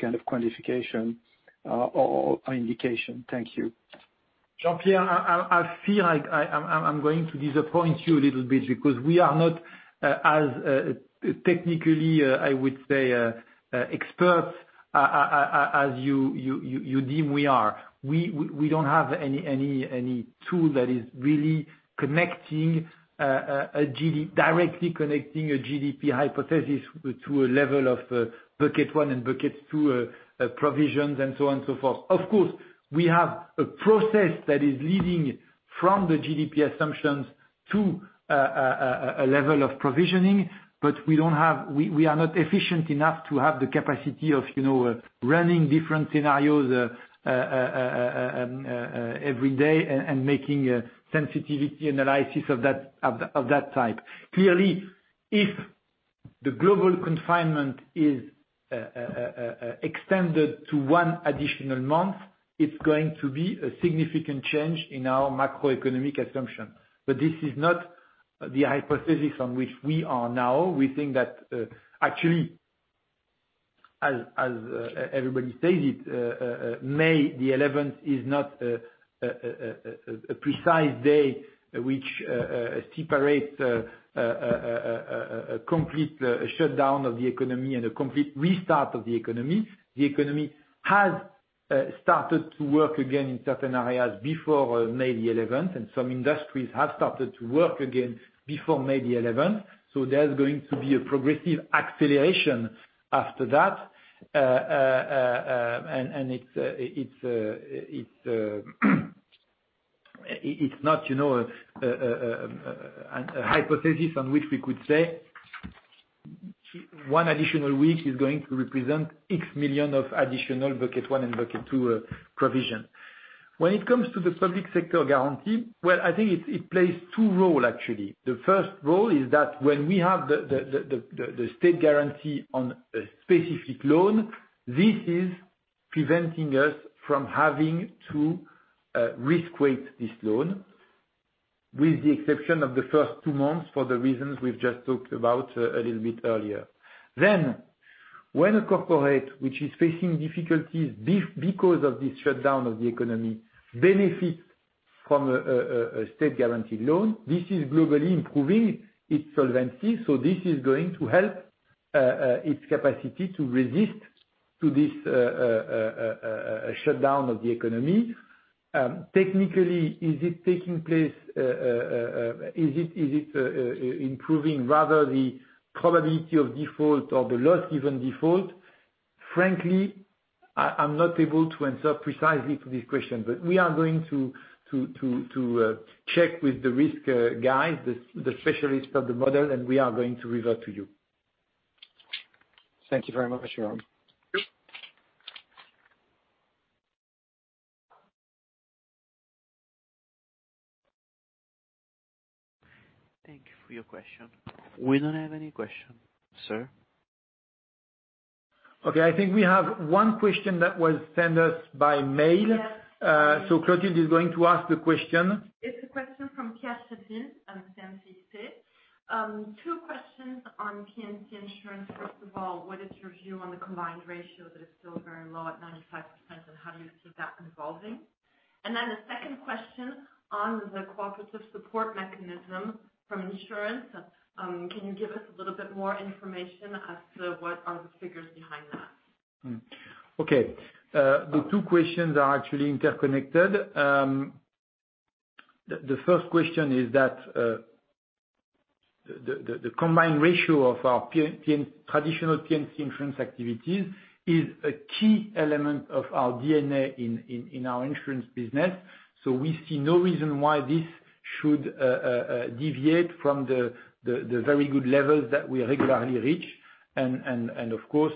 S13: kind of quantification or indication. Thank you.
S2: Jean-Pierre, I feel like I'm going to disappoint you a little bit because we are not as technically, I would say, experts as you deem we are. We don't have any tool that is really directly connecting a GDP hypothesis to a level of bucket one and bucket two provisions and so on and so forth. We have a process that is leading from the GDP assumptions to a level of provisioning, we are not efficient enough to have the capacity of running different scenarios every day and making a sensitivity analysis of that type. If the global confinement is extended to one additional month, it's going to be a significant change in our macroeconomic assumption. This is not the hypothesis on which we are now. We think that, actually, as everybody says it, May the 11th is not a precise day which separates a complete shutdown of the economy and a complete restart of the economy. The economy has started to work again in certain areas before May the 11th, and some industries have started to work again before May the 11th, so there's going to be a progressive acceleration after that. It's not a hypothesis on which we could say one additional week is going to represent X million of additional bucket one and bucket two provision. When it comes to the public sector guarantee, well, I think it plays two role, actually. The first role is that when we have the state guarantee on a specific loan, this is preventing us from having to risk weight this loan, with the exception of the first two months for the reasons we've just talked about a little bit earlier. When a corporate, which is facing difficulties because of this shutdown of the economy, benefits from a state-guaranteed loan, this is globally improving its solvency, this is going to help its capacity to resist to this shutdown of the economy. Technically, is it improving rather the probability of default or the loss given default? Frankly, I'm not able to answer precisely to this question. We are going to check with the risk guys, the specialists of the model, and we are going to revert to you.
S13: Thank you very much, Jérôme.
S2: Sure.
S1: Thank you for your question. We don't have any question, sir.
S2: Okay. I think we have one question that was sent us by mail.
S14: Yes.
S2: Clotilde is going to ask the question.
S14: It's a question from uncertain of CM-CIC. Two questions on P&C Insurance. First of all, what is your view on the combined ratio that is still very low at 95%? How do you see that evolving? Then the second question on the cooperative support mechanism from insurance. Can you give us a little bit more information as to what are the figures behind that?
S2: The two questions are actually interconnected. The first question is that the combined ratio of our traditional P&C insurance activities is a key element of our DNA in our insurance business. We see no reason why this should deviate from the very good levels that we regularly reach. Of course,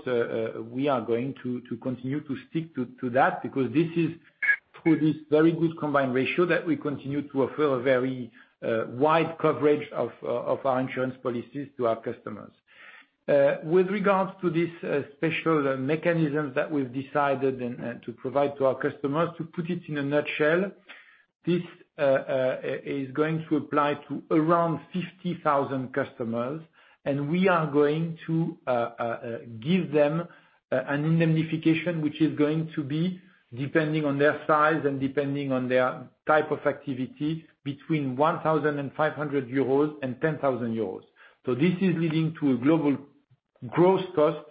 S2: we are going to continue to stick to that because this is through this very good combined ratio that we continue to offer a very wide coverage of our insurance policies to our customers. With regards to these special mechanisms that we've decided to provide to our customers, to put it in a nutshell, this is going to apply to around 50,000 customers, and we are going to give them an indemnification, which is going to be depending on their size and depending on their type of activity, between 1,500-10,000 euros. This is leading to a global gross cost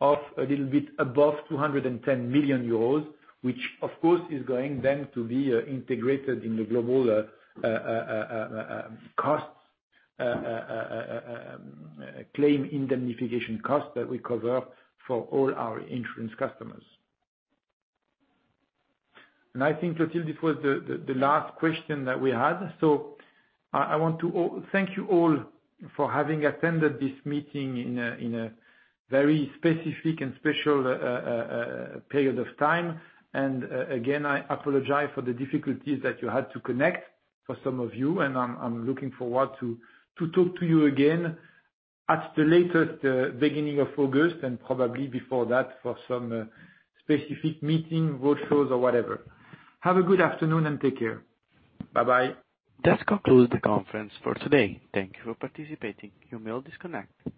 S2: of a little bit above 210 million euros, which of course is going then to be integrated in the global claim indemnification cost that we cover for all our insurance customers. I think, Clotilde, this was the last question that we had. I want to thank you all for having attended this meeting in a very specific and special period of time. Again, I apologize for the difficulties that you had to connect for some of you, and I'm looking forward to talk to you again at the latest, the beginning of August, and probably before that for some specific meeting, roadshows or whatever. Have a good afternoon and take care. Bye-bye.
S1: This concludes the conference for today. Thank you for participating. You may all disconnect.